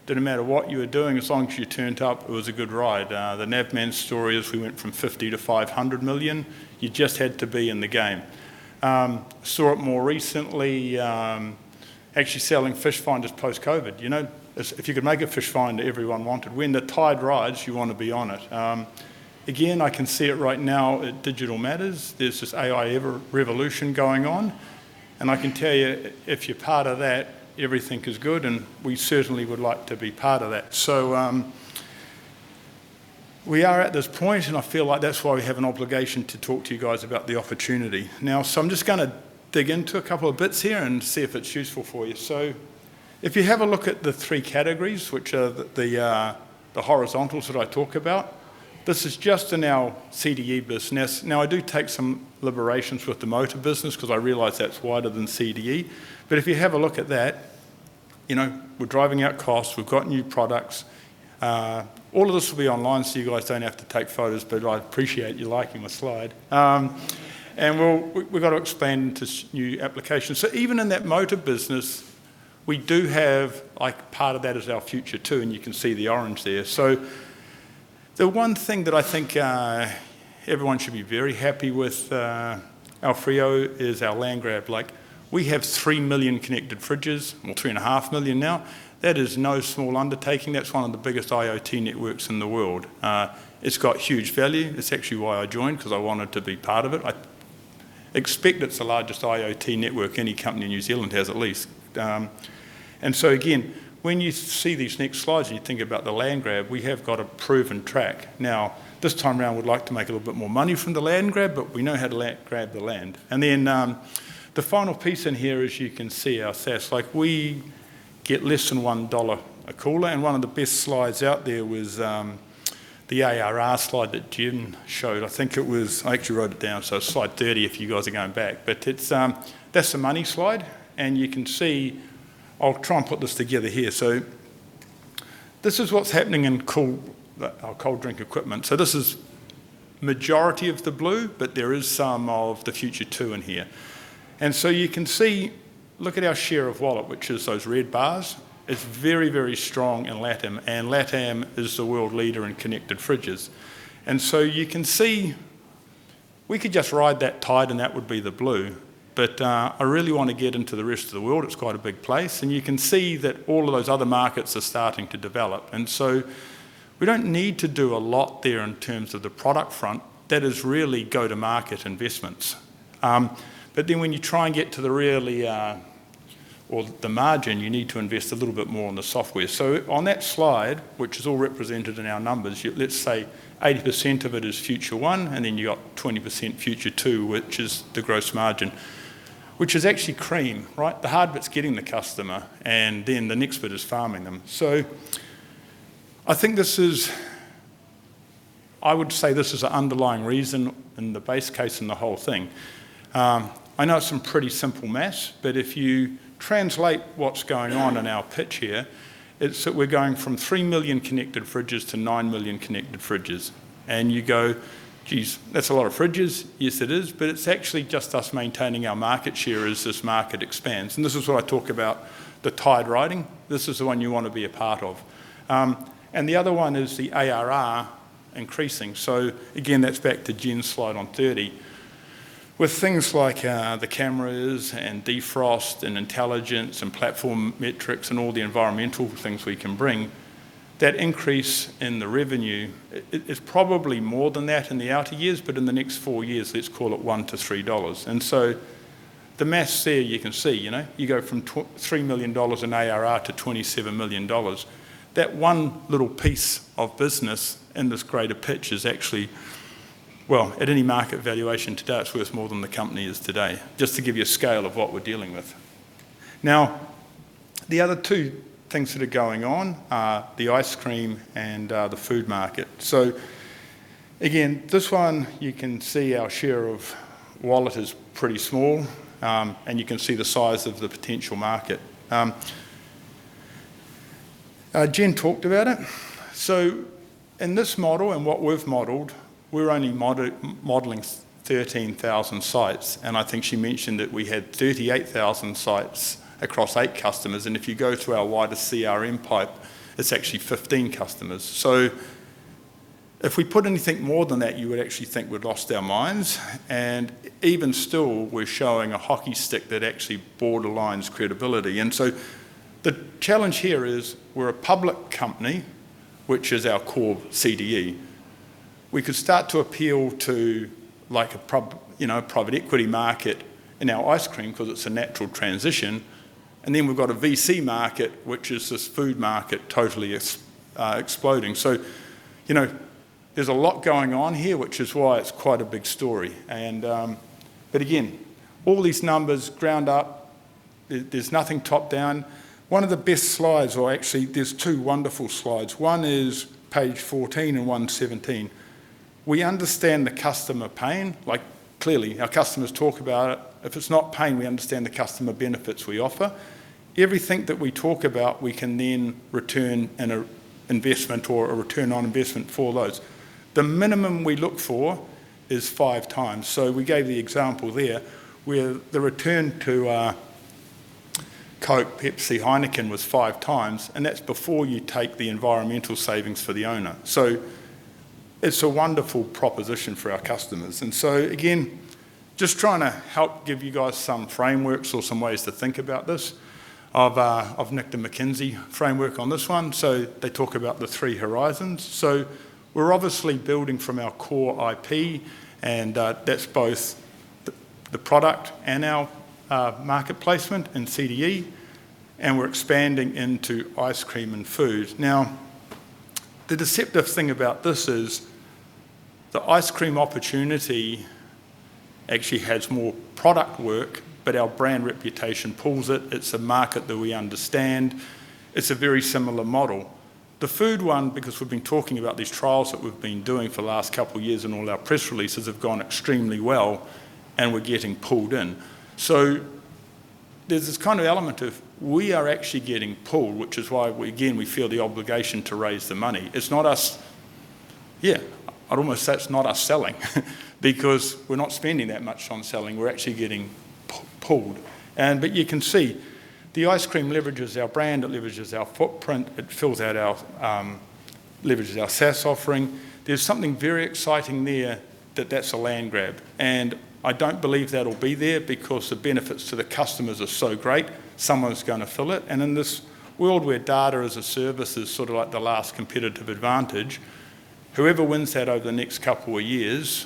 didn't matter what you were doing, as long as you turned up, it was a good ride. The Navman story is we went from 50 million to 500 million. You just had to be in the game. Saw it more recently, actually selling fish finders post-COVID. If you could make a fish finder that everyone wanted. When the tide rides, you want to be on it. Again, I can see it right now at Digital Matter. There's this AI revolution going on, and I can tell you, if you're part of that, everything is good, and we certainly would like to be part of that, so we are at this point, and I feel like that's why we have an obligation to talk to you guys about the opportunity. Now, so I'm just going to dig into a couple of bits here and see if it's useful for you, so if you have a look at the three categories, which are the horizontals that I talk about, this is just in our CDE business. Now, I do take some liberties with the motor business because I realize that's wider than CDE. But if you have a look at that, we're driving out costs, we've got new products. All of this will be online so you guys don't have to take photos, but I appreciate you liking my slide, and we've got to expand into new applications, so even in that motor business, we do have part of that is our future too, and you can see the orange there, so the one thing that I think everyone should be very happy with, our AoFrio is our land grab. We have 3 million connected fridges, well, 2.5 million now. That is no small undertaking. That's one of the biggest IoT networks in the world. It's got huge value. It's actually why I joined because I wanted to be part of it. I expect it's the largest IoT network any company in New Zealand has at least. Again, when you see these next slides and you think about the land grab, we have got a proven track. Now, this time around, we'd like to make a little bit more money from the land grab, but we know how to grab the land. Then the final piece in here is you can see our SaaS. We get less than 1 dollar a cooler. One of the best slides out there was the ARR slide that Gen showed. I think it was, I actually wrote it down. Slide 30 if you guys are going back. But that's the money slide. You can see, I'll try and put this together here. This is what's happening in our cold drink equipment. This is majority of the blue, but there is some of the Future Two in here. You can see, look at our share of wallet, which is those red bars. It's very, very strong in LatAm. LatAm is the world leader in connected fridges. You can see, we could just ride that tide and that would be the blue. I really want to get into the rest of the world. It's quite a big place. You can see that all of those other markets are starting to develop. We don't need to do a lot there in terms of the product front. That is really go-to-market investments. When you try and get to the really or the margin, you need to invest a little bit more in the software. So on that slide, which is all represented in our numbers, let's say 80% of it is Future One, and then you've got 20% Future Two, which is the gross margin, which is actually cream, right? The hard bit's getting the customer, and then the next bit is farming them. So I think this is, I would say this is an underlying reason in the base case and the whole thing. I know it's some pretty simple math, but if you translate what's going on in our pitch here, it's that we're going from 3 million connected fridges to 9 million connected fridges. And you go, geez, that's a lot of fridges. Yes, it is, but it's actually just us maintaining our market share as this market expands. And this is what I talk about, the tide riding. This is the one you want to be a part of. The other one is the ARR increasing. So again, that's back to Gen's slide on 30. With things like the cameras and defrost and intelligence and platform metrics and all the environmental things we can bring, that increase in the revenue is probably more than that in the outer years, but in the next four years, let's call it 1-3 dollars. And so the math there, you can see, you go from 3 million dollars in ARR to 27 million dollars. That one little piece of business in this greater picture is actually, well, at any market valuation today, it's worth more than the company is today, just to give you a scale of what we're dealing with. Now, the other two things that are going on are the ice cream and the food market. So again, this one, you can see our share of wallet is pretty small, and you can see the size of the potential market. Jen talked about it. In this model and what we've modeled, we're only modeling 13,000 sites. I think she mentioned that we had 38,000 sites across eight customers. If you go to our wider CRM pipe, it's actually 15 customers. If we put anything more than that, you would actually think we'd lost our minds. Even still, we're showing a hockey stick that actually borderlines credibility. The challenge here is we're a public company, which is our core CDE. We could start to appeal to a private equity market in our ice cream because it's a natural transition. Then we've got a VC market, which is this food market totally exploding. So there's a lot going on here, which is why it's quite a big story. But again, all these numbers ground up, there's nothing top down. One of the best slides, or actually, there's two wonderful slides. One is page 14 and one 17. We understand the customer pain. Clearly, our customers talk about it. If it's not pain, we understand the customer benefits we offer. Everything that we talk about, we can then return an investment or a return on investment for those. The minimum we look for is 5x. So we gave the example there where the return to Coke, Pepsi, Heineken was five times, and that's before you take the environmental savings for the owner. So it's a wonderful proposition for our customers. Again, just trying to help give you guys some frameworks or some ways to think about this, of the McKinsey framework on this one. They talk about the three horizons. We're obviously building from our core IP, and that's both the product and our market placement in CDE, and we're expanding into ice cream and food. Now, the deceptive thing about this is the ice cream opportunity actually has more product work, but our brand reputation pulls it. It's a market that we understand. It's a very similar model. The food one, because we've been talking about these trials that we've been doing for the last couple of years and all our press releases have gone extremely well, and we're getting pulled in. So there's this kind of element of we are actually getting pulled, which is why, again, we feel the obligation to raise the money. It's not us, yeah, I'd almost say it's not us selling because we're not spending that much on selling. We're actually getting pulled. But you can see the ice cream leverages our brand. It leverages our footprint. It fills out our SaaS offering. There's something very exciting there that's a land grab. And I don't believe that'll be there because the benefits to the customers are so great. Someone's going to fill it. And in this world where data as a service is sort of like the last competitive advantage, whoever wins that over the next couple of years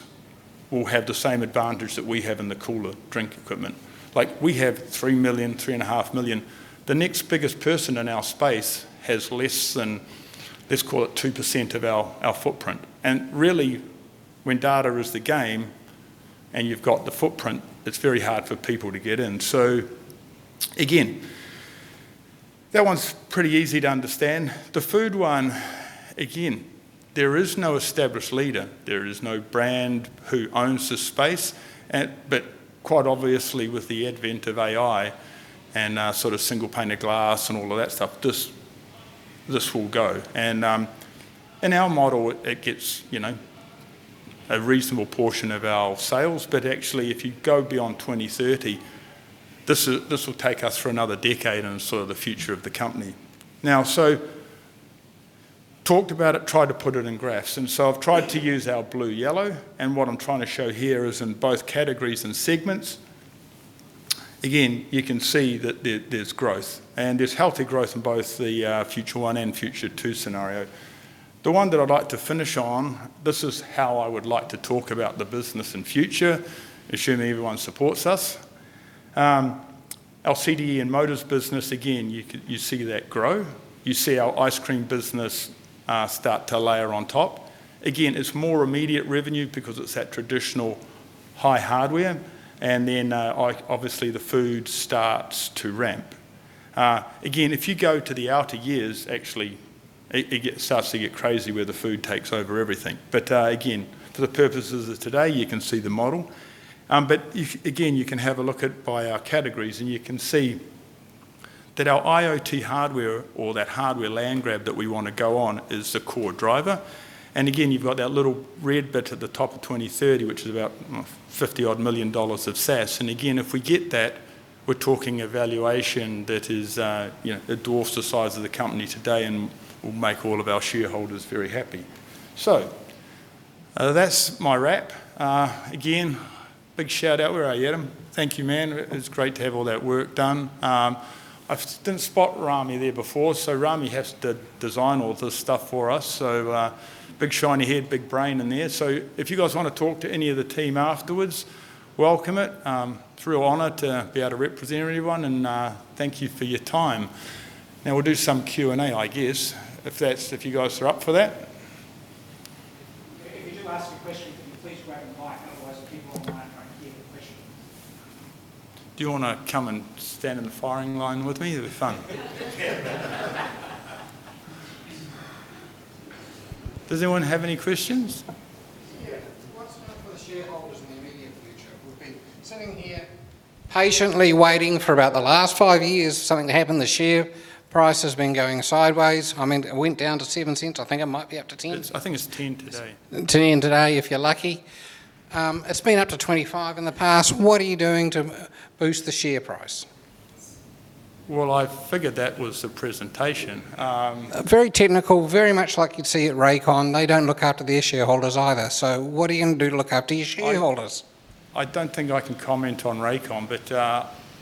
will have the same advantage that we have in the cooler drink equipment. We have three million, 3.5 million. The next biggest person in our space has less than, let's call it 2% of our footprint, and really, when data is the game and you've got the footprint, it's very hard for people to get in, so again, that one's pretty easy to understand. The food one, again, there is no established leader. There is no brand who owns this space, but quite obviously, with the advent of AI and sort of single pane of glass and all of that stuff, this will go, and in our model, it gets a reasonable portion of our sales, but actually, if you go beyond 2030, this will take us for another decade and sort of the future of the company. Now, so talked about it, tried to put it in graphs, and so I've tried to use our blue yellow. And what I'm trying to show here is in both categories and segments. Again, you can see that there's growth. And there's healthy growth in both the Future One and Future Two scenario. The one that I'd like to finish on, this is how I would like to talk about the business and future, assuming everyone supports us. Our CDE and motors business, again, you see that grow. You see our ice cream business start to layer on top. Again, it's more immediate revenue because it's that traditional high hardware. And then obviously, the food starts to ramp. Again, if you go to the outer years, actually, it starts to get crazy where the food takes over everything. But again, for the purposes of today, you can see the model. But again, you can have a look at by our categories and you can see that our IoT hardware or that hardware land grab that we want to go on is the core driver. And again, you've got that little red bit at the top of 2030, which is about 50-odd million dollars of SaaS. And again, if we get that, we're talking a valuation that dwarfs the size of the company today and will make all of our shareholders very happy. So that's my wrap. Again, big shout out. Where are you, Adam? Thank you, man. It's great to have all that work done. I didn't spot Rami there before. So Rami has to design all this stuff for us. So big shiny head, big brain in there. So if you guys want to talk to any of the team afterwards, welcome it. It's a real honor to be able to represent everyone, and thank you for your time. Now, we'll do some Q&A, I guess, if you guys are up for that. If you do ask a question, can you please grab a mic? Otherwise, the people online won't hear the question. Do you want to come and stand in the firing line with me? That'd be fun. Does anyone have any questions? Yeah. What's going on for the shareholders in the immediate future? We've been sitting here patiently waiting for about the last five years for something to happen. The share price has been going sideways. I mean, it went down to 0.07. I think it might be up to 0.10. I think it's 0.10 today. 0.10 today, if you're lucky. It's been up to 0.25 in the past. What are you doing to boost the share price? Well, I figured that was the presentation. Very technical, very much like you'd see at Rakon. They don't look after their shareholders either. So what are you going to do to look after your shareholders? I don't think I can comment on Rakon, but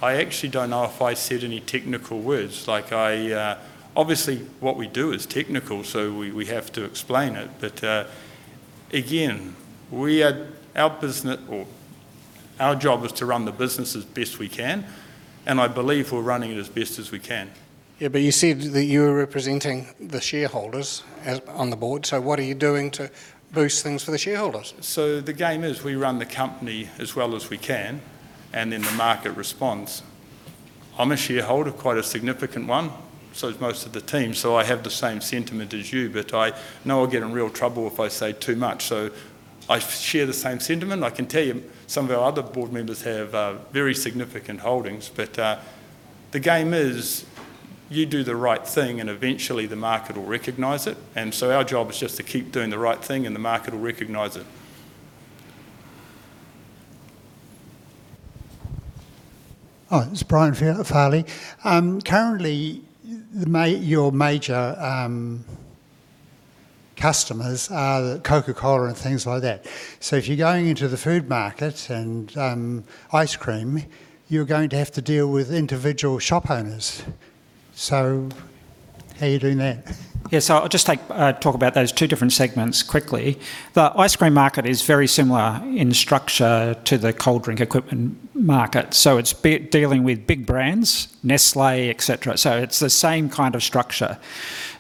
I actually don't know if I said any technical words. Obviously, what we do is technical, so we have to explain it. But again, our job is to run the business as best we can. And I believe we're running it as best as we can. Yeah, but you said that you were representing the shareholders on the board. So what are you doing to boost things for the shareholders? So the game is we run the company as well as we can, and then the market responds. I'm a shareholder, quite a significant one, so is most of the team. So I have the same sentiment as you, but I know I'll get in real trouble if I say too much. So I share the same sentiment. I can tell you some of our other board members have very significant holdings. But the game is you do the right thing and eventually the market will recognize it. And so our job is just to keep doing the right thing and the market will recognize it. Hi, it's Brian Farley. Currently, your major customers are Coca-Cola and things like that. So if you're going into the food market and ice cream, you're going to have to deal with individual shop owners. So how are you doing that? Yeah, so I'll just talk about those two different segments quickly. The ice cream market is very similar in structure to the cold drink equipment market. So it's dealing with big brands, Nestlé, etc. So it's the same kind of structure.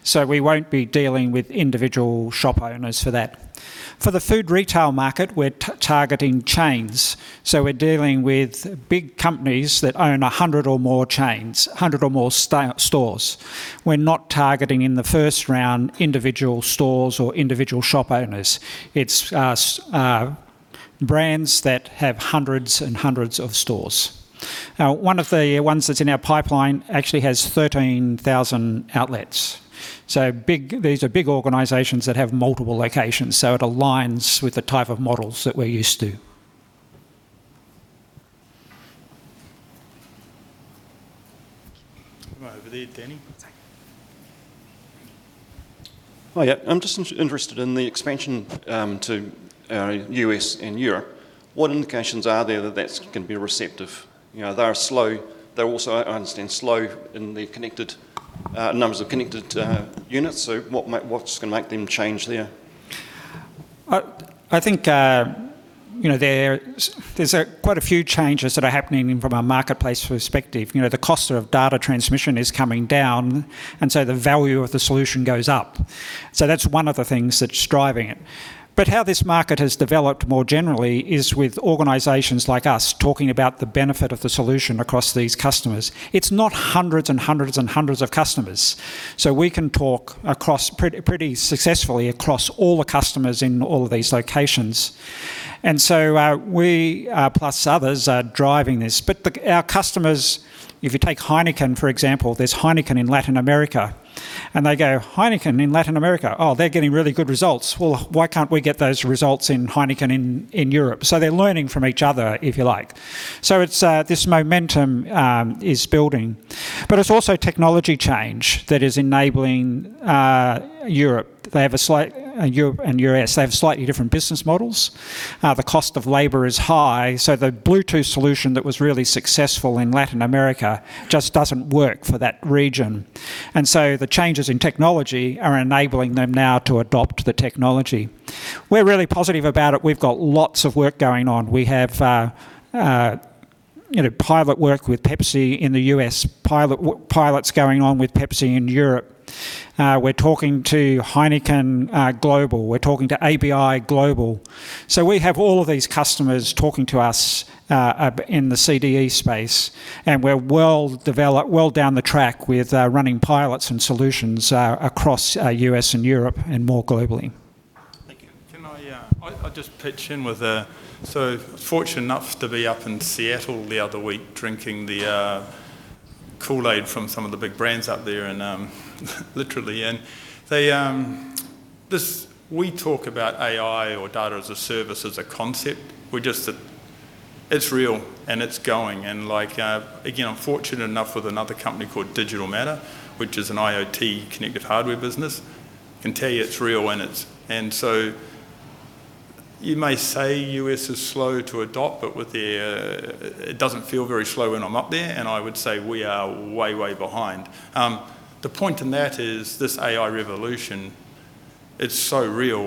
So we won't be dealing with individual shop owners for that. For the food retail market, we're targeting chains. So we're dealing with big companies that own 100 or more chains, 100 or more stores. We're not targeting in the first round individual stores or individual shop owners. It's brands that have hundreds and hundreds of stores. One of the ones that's in our pipeline actually has 13,000 outlets. So these are big organizations that have multiple locations. So it aligns with the type of models that we're used to. Come over there, Danny. Hi, yeah. I'm just interested in the expansion to U.S. and Europe. What indications are there that that's going to be receptive? They're also slow in the numbers of connected units. So what's going to make them change there? I think there's quite a few changes that are happening from a marketplace perspective. The cost of data transmission is coming down, and so the value of the solution goes up. So that's one of the things that's driving it, but how this market has developed more generally is with organizations like us talking about the benefit of the solution across these customers. It's not hundreds and hundreds and hundreds of customers, so we can talk pretty successfully across all the customers in all of these locations, and so we, plus others, are driving this, but our customers, if you take Heineken, for example, there's Heineken in Latin America, and they go, "Heineken in Latin America? Oh, they're getting really good results. Well, why can't we get those results in Heineken in Europe?" So they're learning from each other, if you like, so this momentum is building. But it's also technology change that is enabling Europe. They have a slightly different business models. The cost of labor is high. So the Bluetooth solution that was really successful in Latin America just doesn't work for that region. And so the changes in technology are enabling them now to adopt the technology. We're really positive about it. We've got lots of work going on. We have pilot work with Pepsi in the U.S., pilots going on with Pepsi in Europe. We're talking to Heineken Global. We're talking to ABI Global. So we have all of these customers talking to us in the CDE space. And we're well down the track with running pilots and solutions across U.S. and Europe and more globally. Thank you. I'll just pitch in with so I was fortunate enough to be up in Seattle the other week drinking the Kool-Aid from some of the big brands up there and literally we talk about AI or data as a service as a concept. It's real and it's going. Again, I'm fortunate enough with another company called Digital Matter, which is an IoT connected hardware business. I can tell you it's real and so you may say the U.S. is slow to adopt, but it doesn't feel very slow when I'm up there. I would say we are way, way behind. The point in that is this AI revolution. It's so real.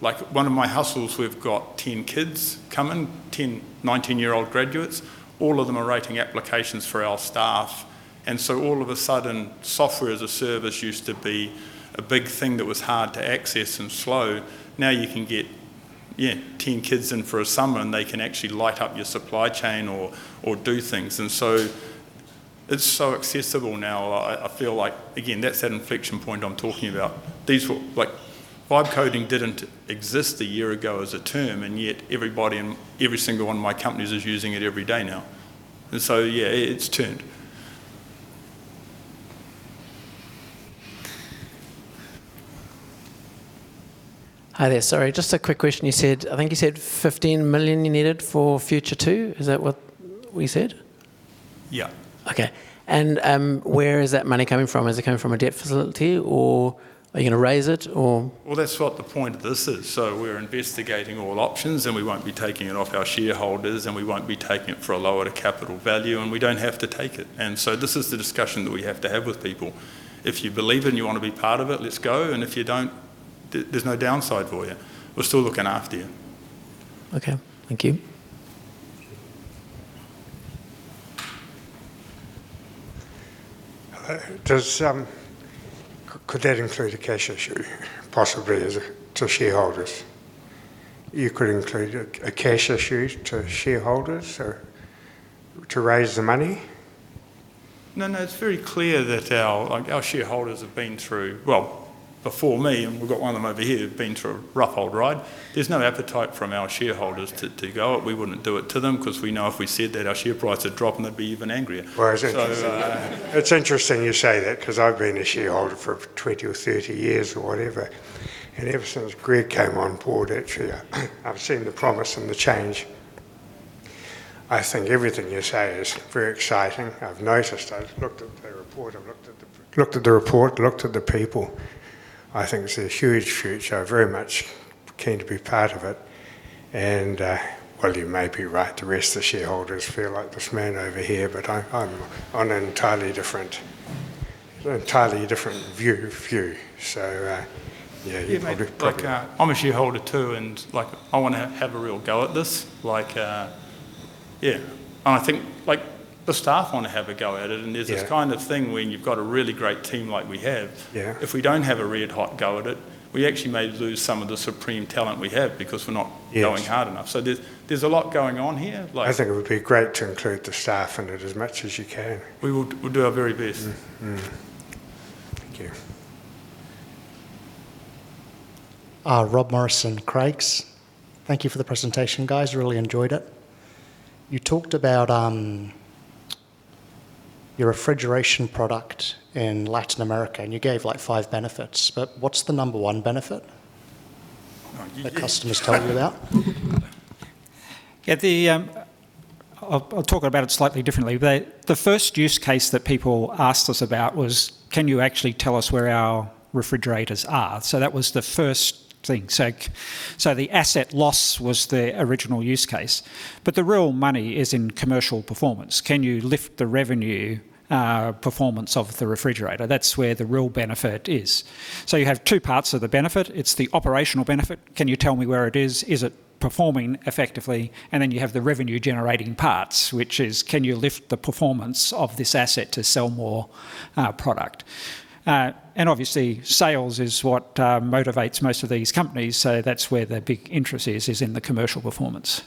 One of my hustles, we've got 10 kids coming, 10 19-year-old graduates. All of them are writing applications for our staff. And so all of a sudden, software as a service used to be a big thing that was hard to access and slow. Now you can get, yeah, 10 kids in for a summer and they can actually light up your supply chain or do things. And so it's so accessible now. I feel like, again, that's that inflection point I'm talking about. Vibe Coding didn't exist a year ago as a term, and yet everybody and every single one of my companies is using it every day now. And so, yeah, it's turned. Hi there. Sorry, just a quick question. I think you said 15 million you needed for Future Two. Is that what we said? Yeah. Okay. And where is that money coming from? Is it coming from a debt facility or are you going to raise it or? Well, that's what the point of this is. So, we're investigating all options, and we won't be taking it off our shareholders, and we won't be taking it for a lower to capital value, and we don't have to take it. And so, this is the discussion that we have to have with people. If you believe and you want to be part of it, let's go. And if you don't, there's no downside for you. We're still looking after you. Okay. Thank you. Could that include a cash issue possibly to shareholders? You could include a cash issue to shareholders to raise the money? No, no. It's very clear that our shareholders have been through, well, before me, and we've got one of them over here, have been through a rough old ride. There's no appetite from our shareholders to go up. We wouldn't do it to them because we know if we said that our share price would drop and they'd be even angrier. Well, it's interesting you say that because I've been a shareholder for 20 or 30 years or whatever. And ever since Greg came on board, actually, I've seen the promise and the change. I think everything you say is very exciting. I've noticed. I've looked at the report. I've looked at the people. I think it's a huge future. I'm very much keen to be part of it. And well, you may be right. The rest of the shareholders feel like this man over here, but I'm on an entirely different view. So yeah, you're probably correct. I'm a shareholder too, and I want to have a real go at this. Yeah. I think the staff want to have a go at it. There's this kind of thing when you've got a really great team like we have. If we don't have a red hot go at it, we actually may lose some of the supreme talent we have because we're not going hard enough. There's a lot going on here. I think it would be great to include the staff in it as much as you can. We will do our very best. Thank you. Rob Morrison, Craigs. Thank you for the presentation, guys. Really enjoyed it. You talked about your refrigeration product in Latin America, and you gave five benefits. What's the number one benefit that customers told you about? I'll talk about it slightly differently. The first use case that people asked us about was, can you actually tell us where our refrigerators are? So that was the first thing. So the asset loss was the original use case. But the real money is in commercial performance. Can you lift the revenue performance of the refrigerator? That's where the real benefit is. So you have two parts of the benefit. It's the operational benefit. Can you tell me where it is? Is it performing effectively? And then you have the revenue-generating parts, which is, can you lift the performance of this asset to sell more product? And obviously, sales is what motivates most of these companies. So that's where the big interest is, is in the commercial performance.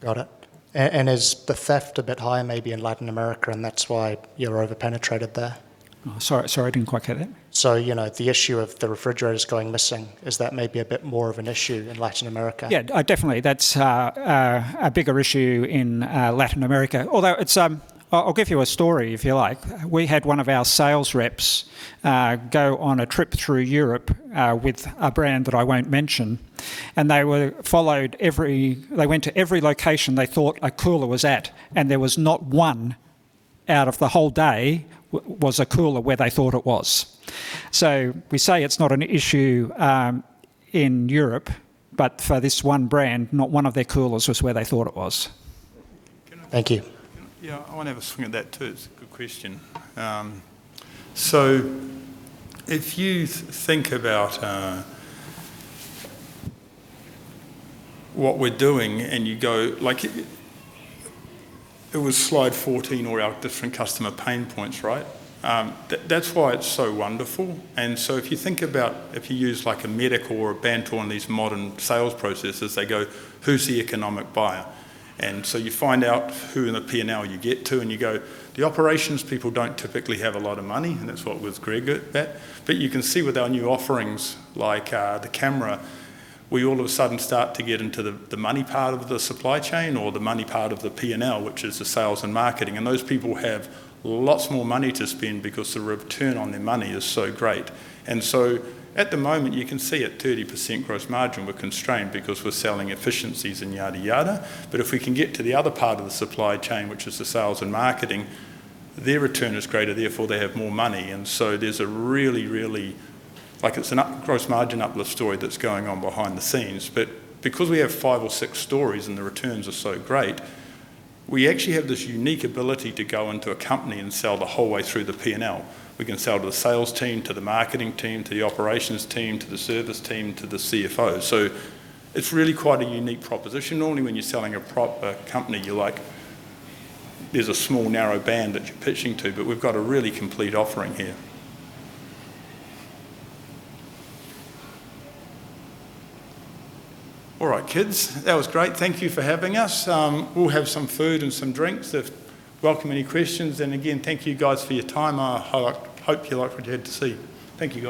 Got it. And is the theft a bit higher maybe in Latin America, and that's why you're over-penetrated there? Sorry, I didn't quite get that. So the issue of the refrigerators going missing, is that maybe a bit more of an issue in Latin America? Yeah, definitely. That's a bigger issue in Latin America. Although I'll give you a story if you like. We had one of our sales reps go on a trip through Europe with a brand that I won't mention. And they went to every location they thought a cooler was at, and there was not one out of the whole day that was a cooler where they thought it was. So we say it's not an issue in Europe, but for this one brand, not one of their coolers was where they thought it was. Thank you. Yeah, I want to have a swing at that too. It's a good question. So if you think about what we're doing and you go, it was slide 14 of our different customer pain points, right? That's why it's so wonderful. And so, if you think about if you use a MEDDIC or a BANT on these modern sales processes, they go, "Who's the economic buyer?" And so you find out who in the P&L you get to, and you go, the operations people don't typically have a lot of money, and that's what was Greg at that. But you can see with our new offerings, like the camera, we all of a sudden start to get into the money part of the supply chain or the money part of the P&L, which is the sales and marketing. And those people have lots more money to spend because the return on their money is so great. And so at the moment, you can see at 30% gross margin, we're constrained because we're selling efficiencies and yada yada. But if we can get to the other part of the supply chain, which is the sales and marketing, their return is greater. Therefore, they have more money. And so there's a really, really it's a gross margin uplift story that's going on behind the scenes. But because we have five or six stories and the returns are so great, we actually have this unique ability to go into a company and sell the whole way through the P&L. We can sell to the sales team, to the marketing team, to the operations team, to the service team, to the CFO. So it's really quite a unique proposition. Normally, when you're selling a company, you're like, there's a small narrow band that you're pitching to, but we've got a really complete offering here. All right, kids, that was great. Thank you for having us. We'll have some food and some drinks. Welcome any questions, and again, thank you guys for your time. I hope you like what you had to see. Thank you.